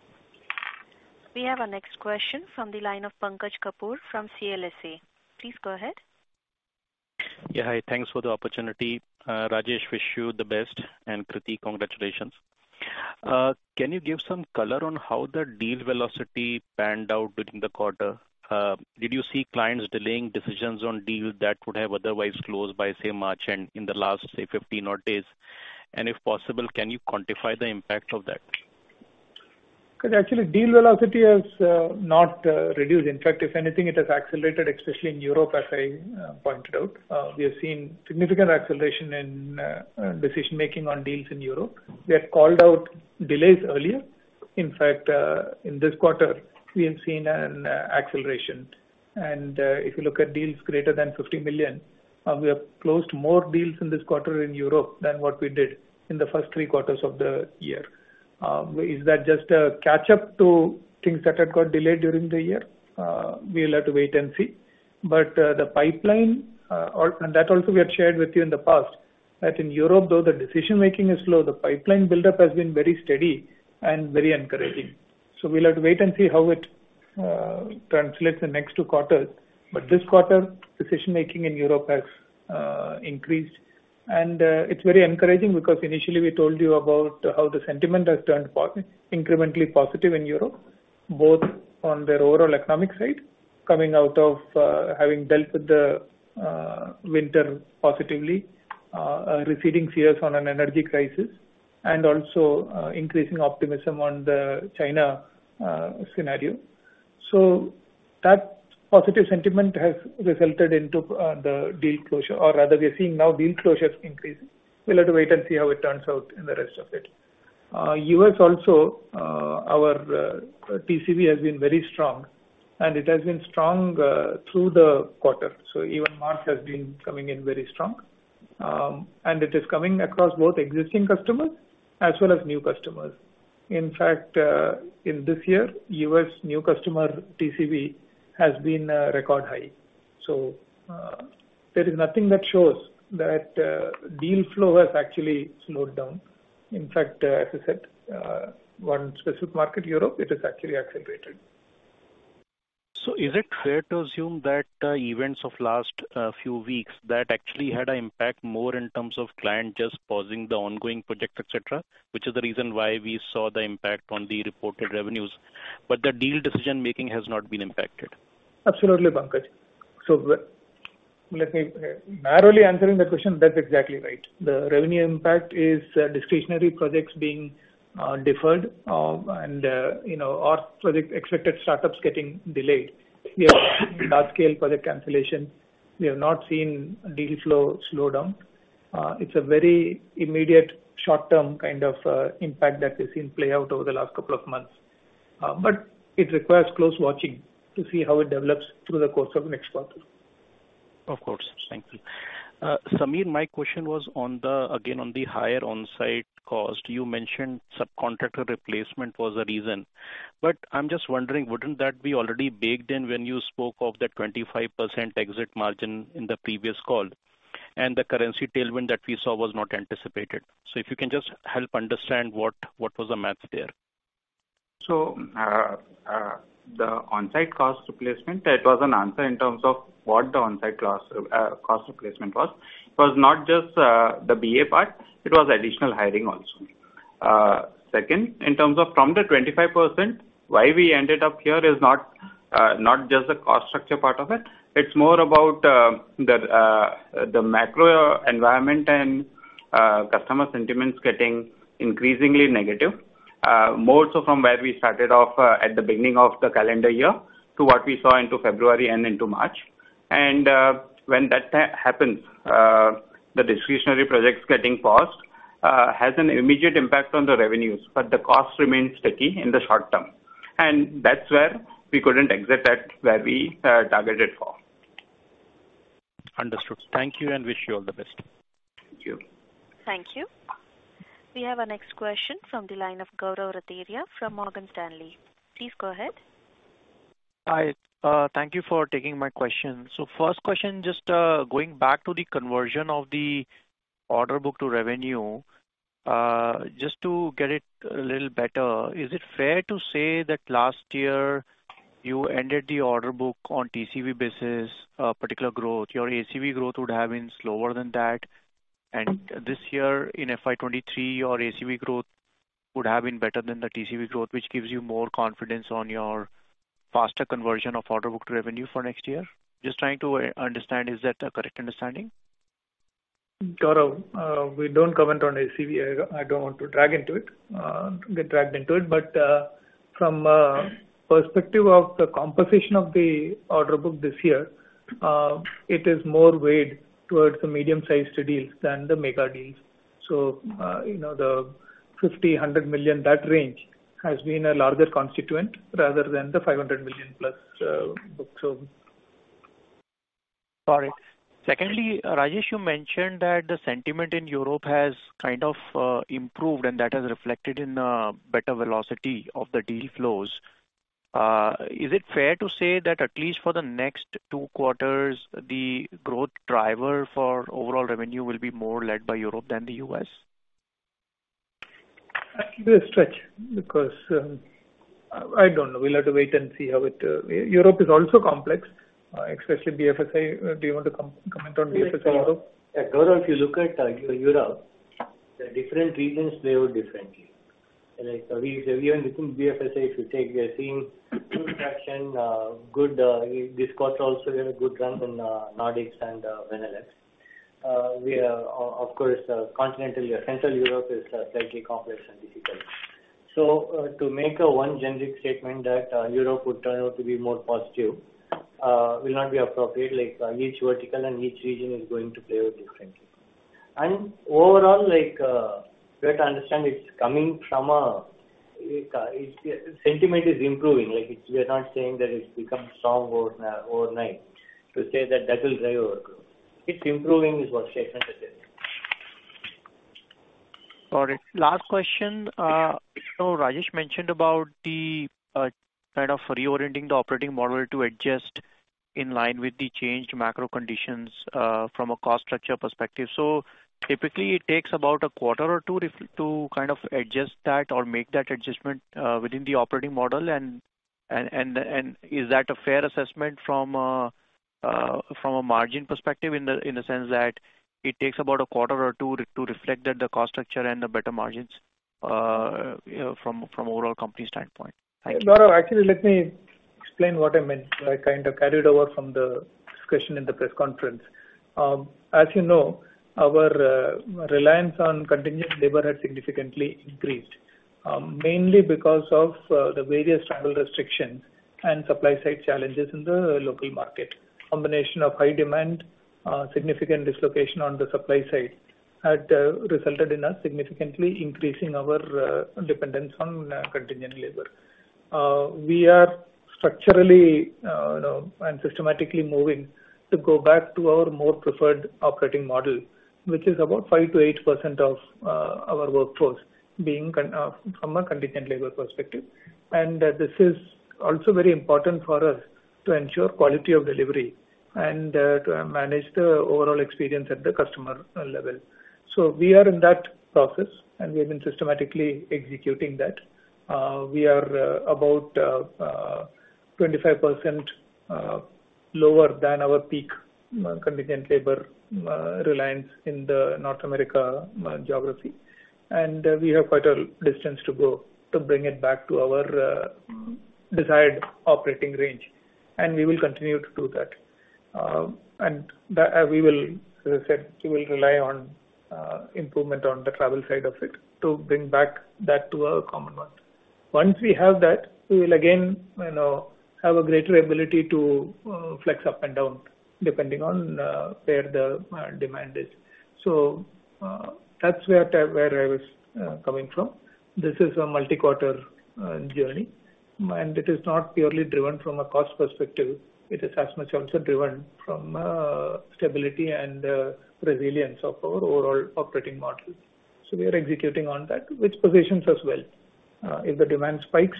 We have our next question from the line of Pankaj Kapoor from CLSA. Please go ahead. Yeah, hi. Thanks for the opportunity. Rajesh, wish you the best, and Krithi, congratulations. Can you give some color on how the deal velocity panned out during the quarter? Did you see clients delaying decisions on deals that would have otherwise closed by, say, March and in the last, say, 15 odd days? If possible, can you quantify the impact of that? Krithi, actually, deal velocity has not reduced. In fact, if anything, it has accelerated, especially in Europe, as I pointed out. We have seen significant acceleration in decision-making on deals in Europe. We had called out delays earlier. In fact, in this quarter, we have seen an acceleration. If you look at deals greater than $50 million, we have closed more deals in this quarter in Europe than what we did in the first three quarters of the year. Is that just a catch-up to things that had got delayed during the year? We'll have to wait and see. The pipeline, and that also we had shared with you in the past, that in Europe, though the decision-making is slow, the pipeline buildup has been very steady and very encouraging. We'll have to wait and see how it translates in next two quarters. This quarter, decision-making in Europe has increased. It's very encouraging because initially we told you about how the sentiment has turned incrementally positive in Europe, both on their overall economic side, coming out of having dealt with the winter positively, receding fears on an energy crisis and also increasing optimism on the China scenario. That positive sentiment has resulted into the deal closure or rather we are seeing now deal closures increasing. We'll have to wait and see how it turns out in the rest of it. U.S. also, our TCV has been very strong and it has been strong through the quarter. Even March has been coming in very strong. It is coming across both existing customers as well as new customers. In fact, in this year, U.S. new customer TCV has been record high. There is nothing that shows that deal flow has actually slowed down. In fact, as I said, one specific market, Europe, it is actually accelerated. Is it fair to assume that, events of last few weeks, that actually had an impact more in terms of client just pausing the ongoing project, et cetera, which is the reason why we saw the impact on the reported revenues, but the deal decision-making has not been impacted? Absolutely, Pankaj. Let me, narrowly answering the question, that's exactly right. The revenue impact is discretionary projects being deferred, and, you know, or project expected startups getting delayed. Large scale project cancellation. We have not seen deal flow slow down. It's a very immediate short-term kind of impact that we've seen play out over the last couple of months. But it requires close watching to see how it develops through the course of next quarter. Of course. Thank you. Samir, my question was on the, again, on the higher on-site cost. You mentioned subcontractor replacement was a reason. I'm just wondering, wouldn't that be already baked in when you spoke of the 25% exit margin in the previous call and the currency tailwind that we saw was not anticipated? If you can just help understand what was the math there. The on-site cost replacement, it was an answer in terms of what the on-site class, cost replacement was. It was not just the BA part, it was additional hiring also. Second, in terms of from the 25%, why we ended up here is not just the cost structure part of it's more about the macro environment and customer sentiments getting increasingly negative. More so from where we started off at the beginning of the calendar year to what we saw into February and into March. When that happens, the discretionary projects getting paused has an immediate impact on the revenues, but the cost remains steady in the short term. That's where we couldn't exit at where we targeted for. Understood. Thank you and wish you all the best. Thank you. Thank you. We have our next question from the line of Gaurav Rateria from Morgan Stanley. Please go ahead. Hi. Thank you for taking my question. First question, just going back to the conversion of the order book to revenue, just to get it a little better, is it fair to say that last year you ended the order book on TCV basis, particular growth, your ACV growth would have been slower than that? This year in FY 2023, your ACV growth would have been better than the TCV growth, which gives you more confidence on your faster conversion of order book to revenue for next year? Just trying to understand, is that a correct understanding? Gaurav, we don't comment on ACV. I don't want to drag into it, get dragged into it. From perspective of the composition of the order book this year, it is more weighed towards the medium-sized deals than the mega deals. You know, the $50 million-$100 million, that range has been a larger constituent rather than the $500 million-plus book. Got it. Secondly, Rajesh, you mentioned that the sentiment in Europe has kind of improved and that has reflected in better velocity of the deal flows. Is it fair to say that at least for the next two quarters, the growth driver for overall revenue will be more led by Europe than the US? I think it's a stretch because, I don't know. We'll have to wait and see how it... Europe is also complex, especially BFSI. Do you want to comment on BFSI at all? Yeah. Gaurav, if you look at Europe, the different regions play out differently. Like, we within BFSI, if you take, we are seeing good traction, good, this quarter also we had a good run in Nordics and Benelux. We are, of course, continentally, Central Europe is slightly complex and difficult. So, to make a one generic statement that Europe would turn out to be more positive, will not be appropriate. Like, each vertical and each region is going to play out differently. And overall, like, we have to understand it's coming from a... It, it, sentiment is improving. Like, it's we are not saying that it's become strong overnight to say that that will drive our growth. It's improving is what I can say. Got it. Last question. Rajesh mentioned about the kind of reorienting the operating model to adjust in line with the changed macro conditions from a cost structure perspective. Typically, it takes about a quarter or 2 to kind of adjust that or make that adjustment within the operating model. Is that a fair assessment from a margin perspective, in the sense that it takes about a quarter or 2 to reflect that the cost structure and the better margins, you know, from overall company standpoint? Thank you. Gaurav, actually, let me explain what I meant. I kind of carried over from the discussion in the press conference. As you know, our reliance on contingent labor has significantly increased, mainly because of the various travel restrictions and supply side challenges in the local market. Combination of high demand, significant dislocation on the supply side had resulted in us significantly increasing our dependence on contingent labor. We are structurally, you know, and systematically moving to go back to our more preferred operating model, which is about 5%-8% of our workforce being contingent from a contingent labor perspective. This is also very important for us to ensure quality of delivery and to manage the overall experience at the customer level. We are in that process, and we have been systematically executing that. We are about 25% lower than our peak contingent labor reliance in the North America geography. We have quite a distance to go to bring it back to our desired operating range, and we will continue to do that. That, we will, as I said, we will rely on improvement on the travel side of it to bring back that to our common level. Once we have that, we will again, you know, have a greater ability to flex up and down depending on where the demand is. That's where I was coming from. This is a multi-quarter journey, and it is not purely driven from a cost perspective. It is as much also driven from stability and resilience of our overall operating model. We are executing on that, which positions us well. If the demand spikes,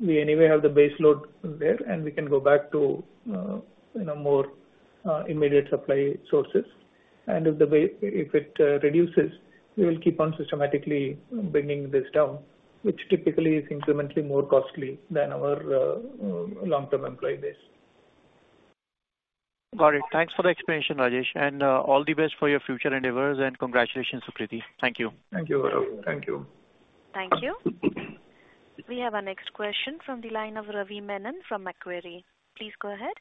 we anyway have the base load there, and we can go back to, you know, more immediate supply sources. If it reduces, we will keep on systematically bringing this down, which typically is incrementally more costly than our long-term employee base. Got it. Thanks for the explanation, Rajesh. All the best for your future endeavors, and congratulations, Krithi. Thank you. Thank you, Gaurav. Thank you. Thank you. We have our next question from the line of Ravi Menon from Macquarie. Please go ahead.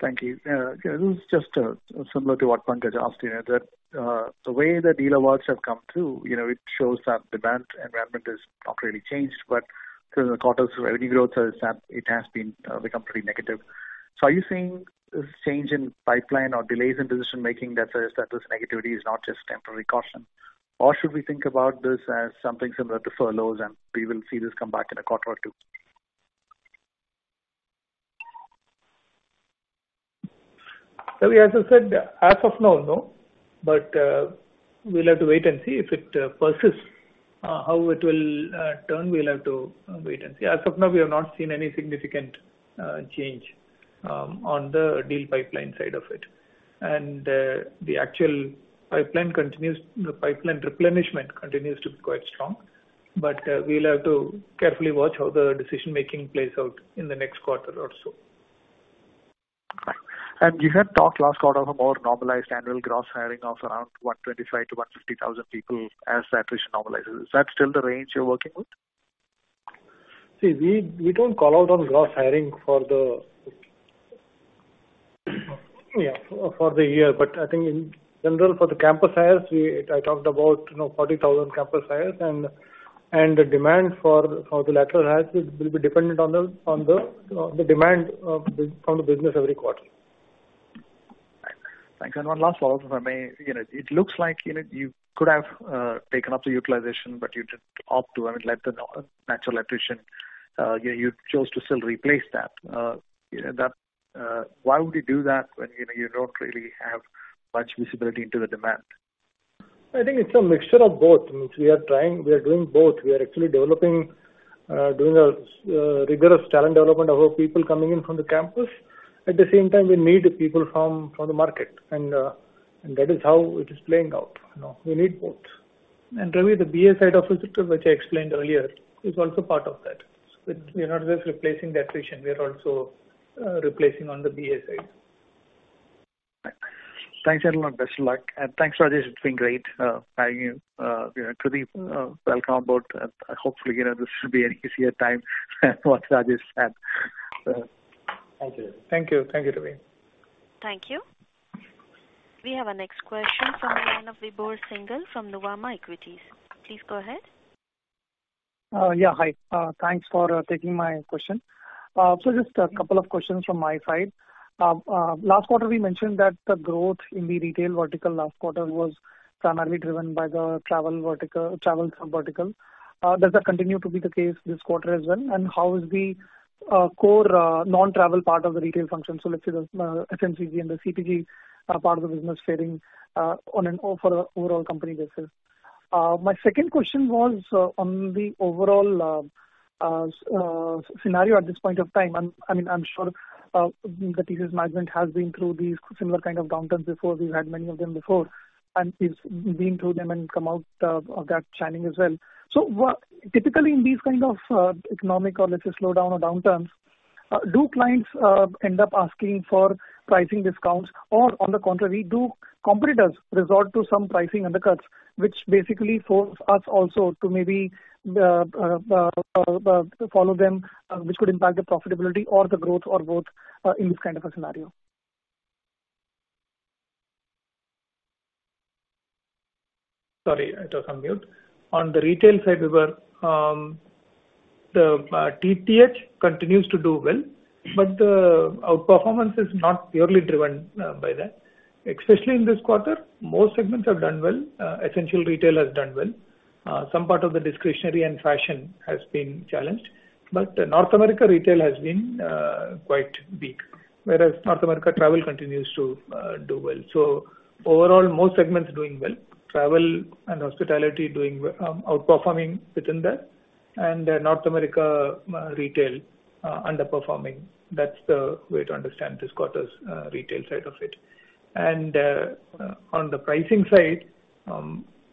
Thank you. This is just similar to what Pankaj asked, you know, that, the way the deal awards have come through, you know, it shows that demand environment has not really changed, but through the quarters, revenue growth has, it has been, become pretty negative. Are you seeing this change in pipeline or delays in decision-making that suggests that this negativity is not just temporary caution? Should we think about this as something similar to furloughs, and we will see this come back in a quarter or two? Ravi, as I said, as of now, no. We'll have to wait and see if it persists, how it will turn. We'll have to wait and see. As of now, we have not seen any significant change on the deal pipeline side of it. The actual pipeline continues, the pipeline replenishment continues to be quite strong. We'll have to carefully watch how the decision-making plays out in the next quarter or so. You had talked last quarter of a more normalized annual gross hiring of around 125-150,000 people as attrition normalizes. Is that still the range you're working with? See, we don't call out on gross hiring for the year. I think in general for the campus hires, we, I talked about, you know, 40,000 campus hires and the demand for the lateral hires will be dependent on the demand from the business every quarter. Thanks. One last follow-up, if I may. You know, it looks like, you know, you could have taken up the utilization, but you didn't opt to and let the natural attrition, you know, you chose to still replace that. You know, that, why would you do that when you know you don't really have much visibility into the demand? I think it's a mixture of both. We are doing both. We are actually developing, doing rigorous talent development of our people coming in from the campus. At the same time, we need the people from the market, and that is how it is playing out, you know. We need both. Ravi, the BA side of it, which I explained earlier, is also part of that. We're not just replacing that attrition, we are also replacing on the BA side. Thanks a lot. Best of luck. Thanks, Rajesh. It's been great having you. Pradeep, welcome aboard. Hopefully, you know, this should be an easier time than what Rajesh had. Thank you. Thank you. Thank you, Ravi. Thank you. We have our next question from the line of Vibhor Singhal from Nuvama Equities. Please go ahead. Yeah. Hi. Thanks for taking my question. Just a couple of questions from my side. Last quarter we mentioned that the growth in the retail vertical last quarter was primarily driven by the travel vertical, travel sub-vertical. Does that continue to be the case this quarter as well? How is the core non-travel part of the retail function, so let's say the FMCG and the CPG part of the business faring on an overall company basis? My second question was on the overall scenario at this point of time. I mean, I'm sure that TCS management has been through these similar kind of downturns before. We've had many of them before. It's been through them and come out of that shining as well. Typically in these kind of economic or let's say slowdown or downturns, do clients end up asking for pricing discounts? On the contrary, do competitors resort to some pricing undercuts, which basically force us also to maybe follow them, which could impact the profitability or the growth or both in this kind of a scenario? Sorry, I was on mute. On the retail side, we were, the TTH continues to do well, but the outperformance is not purely driven by that. Especially in this quarter, most segments have done well. Essential retail has done well. Some part of the discretionary and fashion has been challenged. North America retail has been quite weak, whereas North America travel continues to do well. Overall, most segments are doing well. Travel and hospitality doing outperforming within that, and North America retail underperforming. That's the way to understand this quarter's retail side of it. On the pricing side,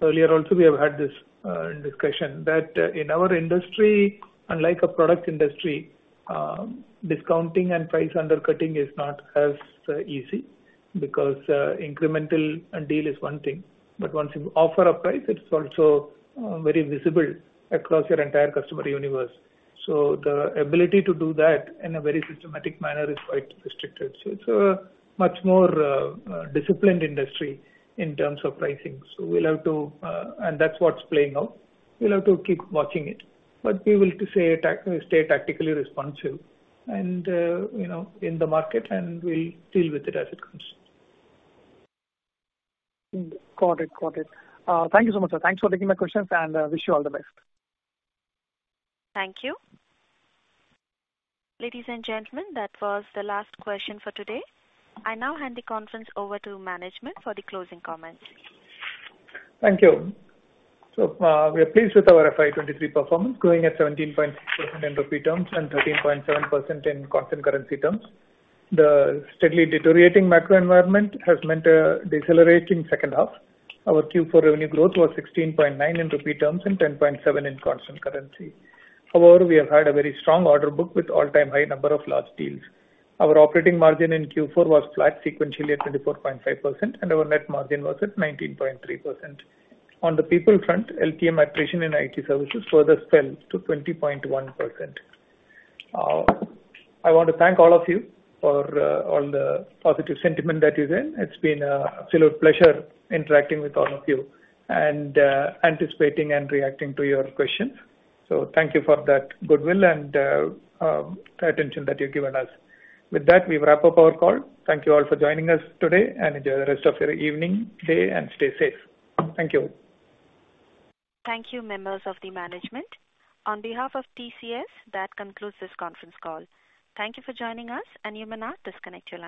earlier also we have had this in discussion, that in our industry, unlike a product industry, discounting and price undercutting is not as easy because incremental deal is one thing, but once you offer a price, it's also very visible across your entire customer universe. The ability to do that in a very systematic manner is quite restricted. It's a much more disciplined industry in terms of pricing. We'll have to. That's what's playing out. We'll have to keep watching it. We will stay tactically responsive and, you know, in the market, and we'll deal with it as it comes. Got it. Got it. Thank you so much, sir. Thanks for taking my questions, and wish you all the best. Thank you. Ladies and gentlemen, that was the last question for today. I now hand the conference over to management for the closing comments. Thank you. We are pleased with our FY 2023 performance, growing at 17.6% in rupee terms and 13.7% in constant currency terms. The steadily deteriorating macro environment has meant a decelerating second half. Our Q4 revenue growth was 16.9% in rupee terms and 10.7% in constant currency. However, we have had a very strong order book with all-time high number of large deals. Our operating margin in Q4 was flat sequentially at 24.5%, and our net margin was at 19.3%. On the people front, LTM attrition in IT services further fell to 20.1%. I want to thank all of you for all the positive sentiment that is in. It's been a absolute pleasure interacting with all of you and anticipating and reacting to your questions. Thank you for that goodwill and the attention that you've given us. With that, we wrap up our call. Thank you all for joining us today and enjoy the rest of your evening, day, and stay safe. Thank you. Thank you, members of the management. On behalf of TCS, that concludes this conference call. Thank you for joining us and you may now disconnect your lines.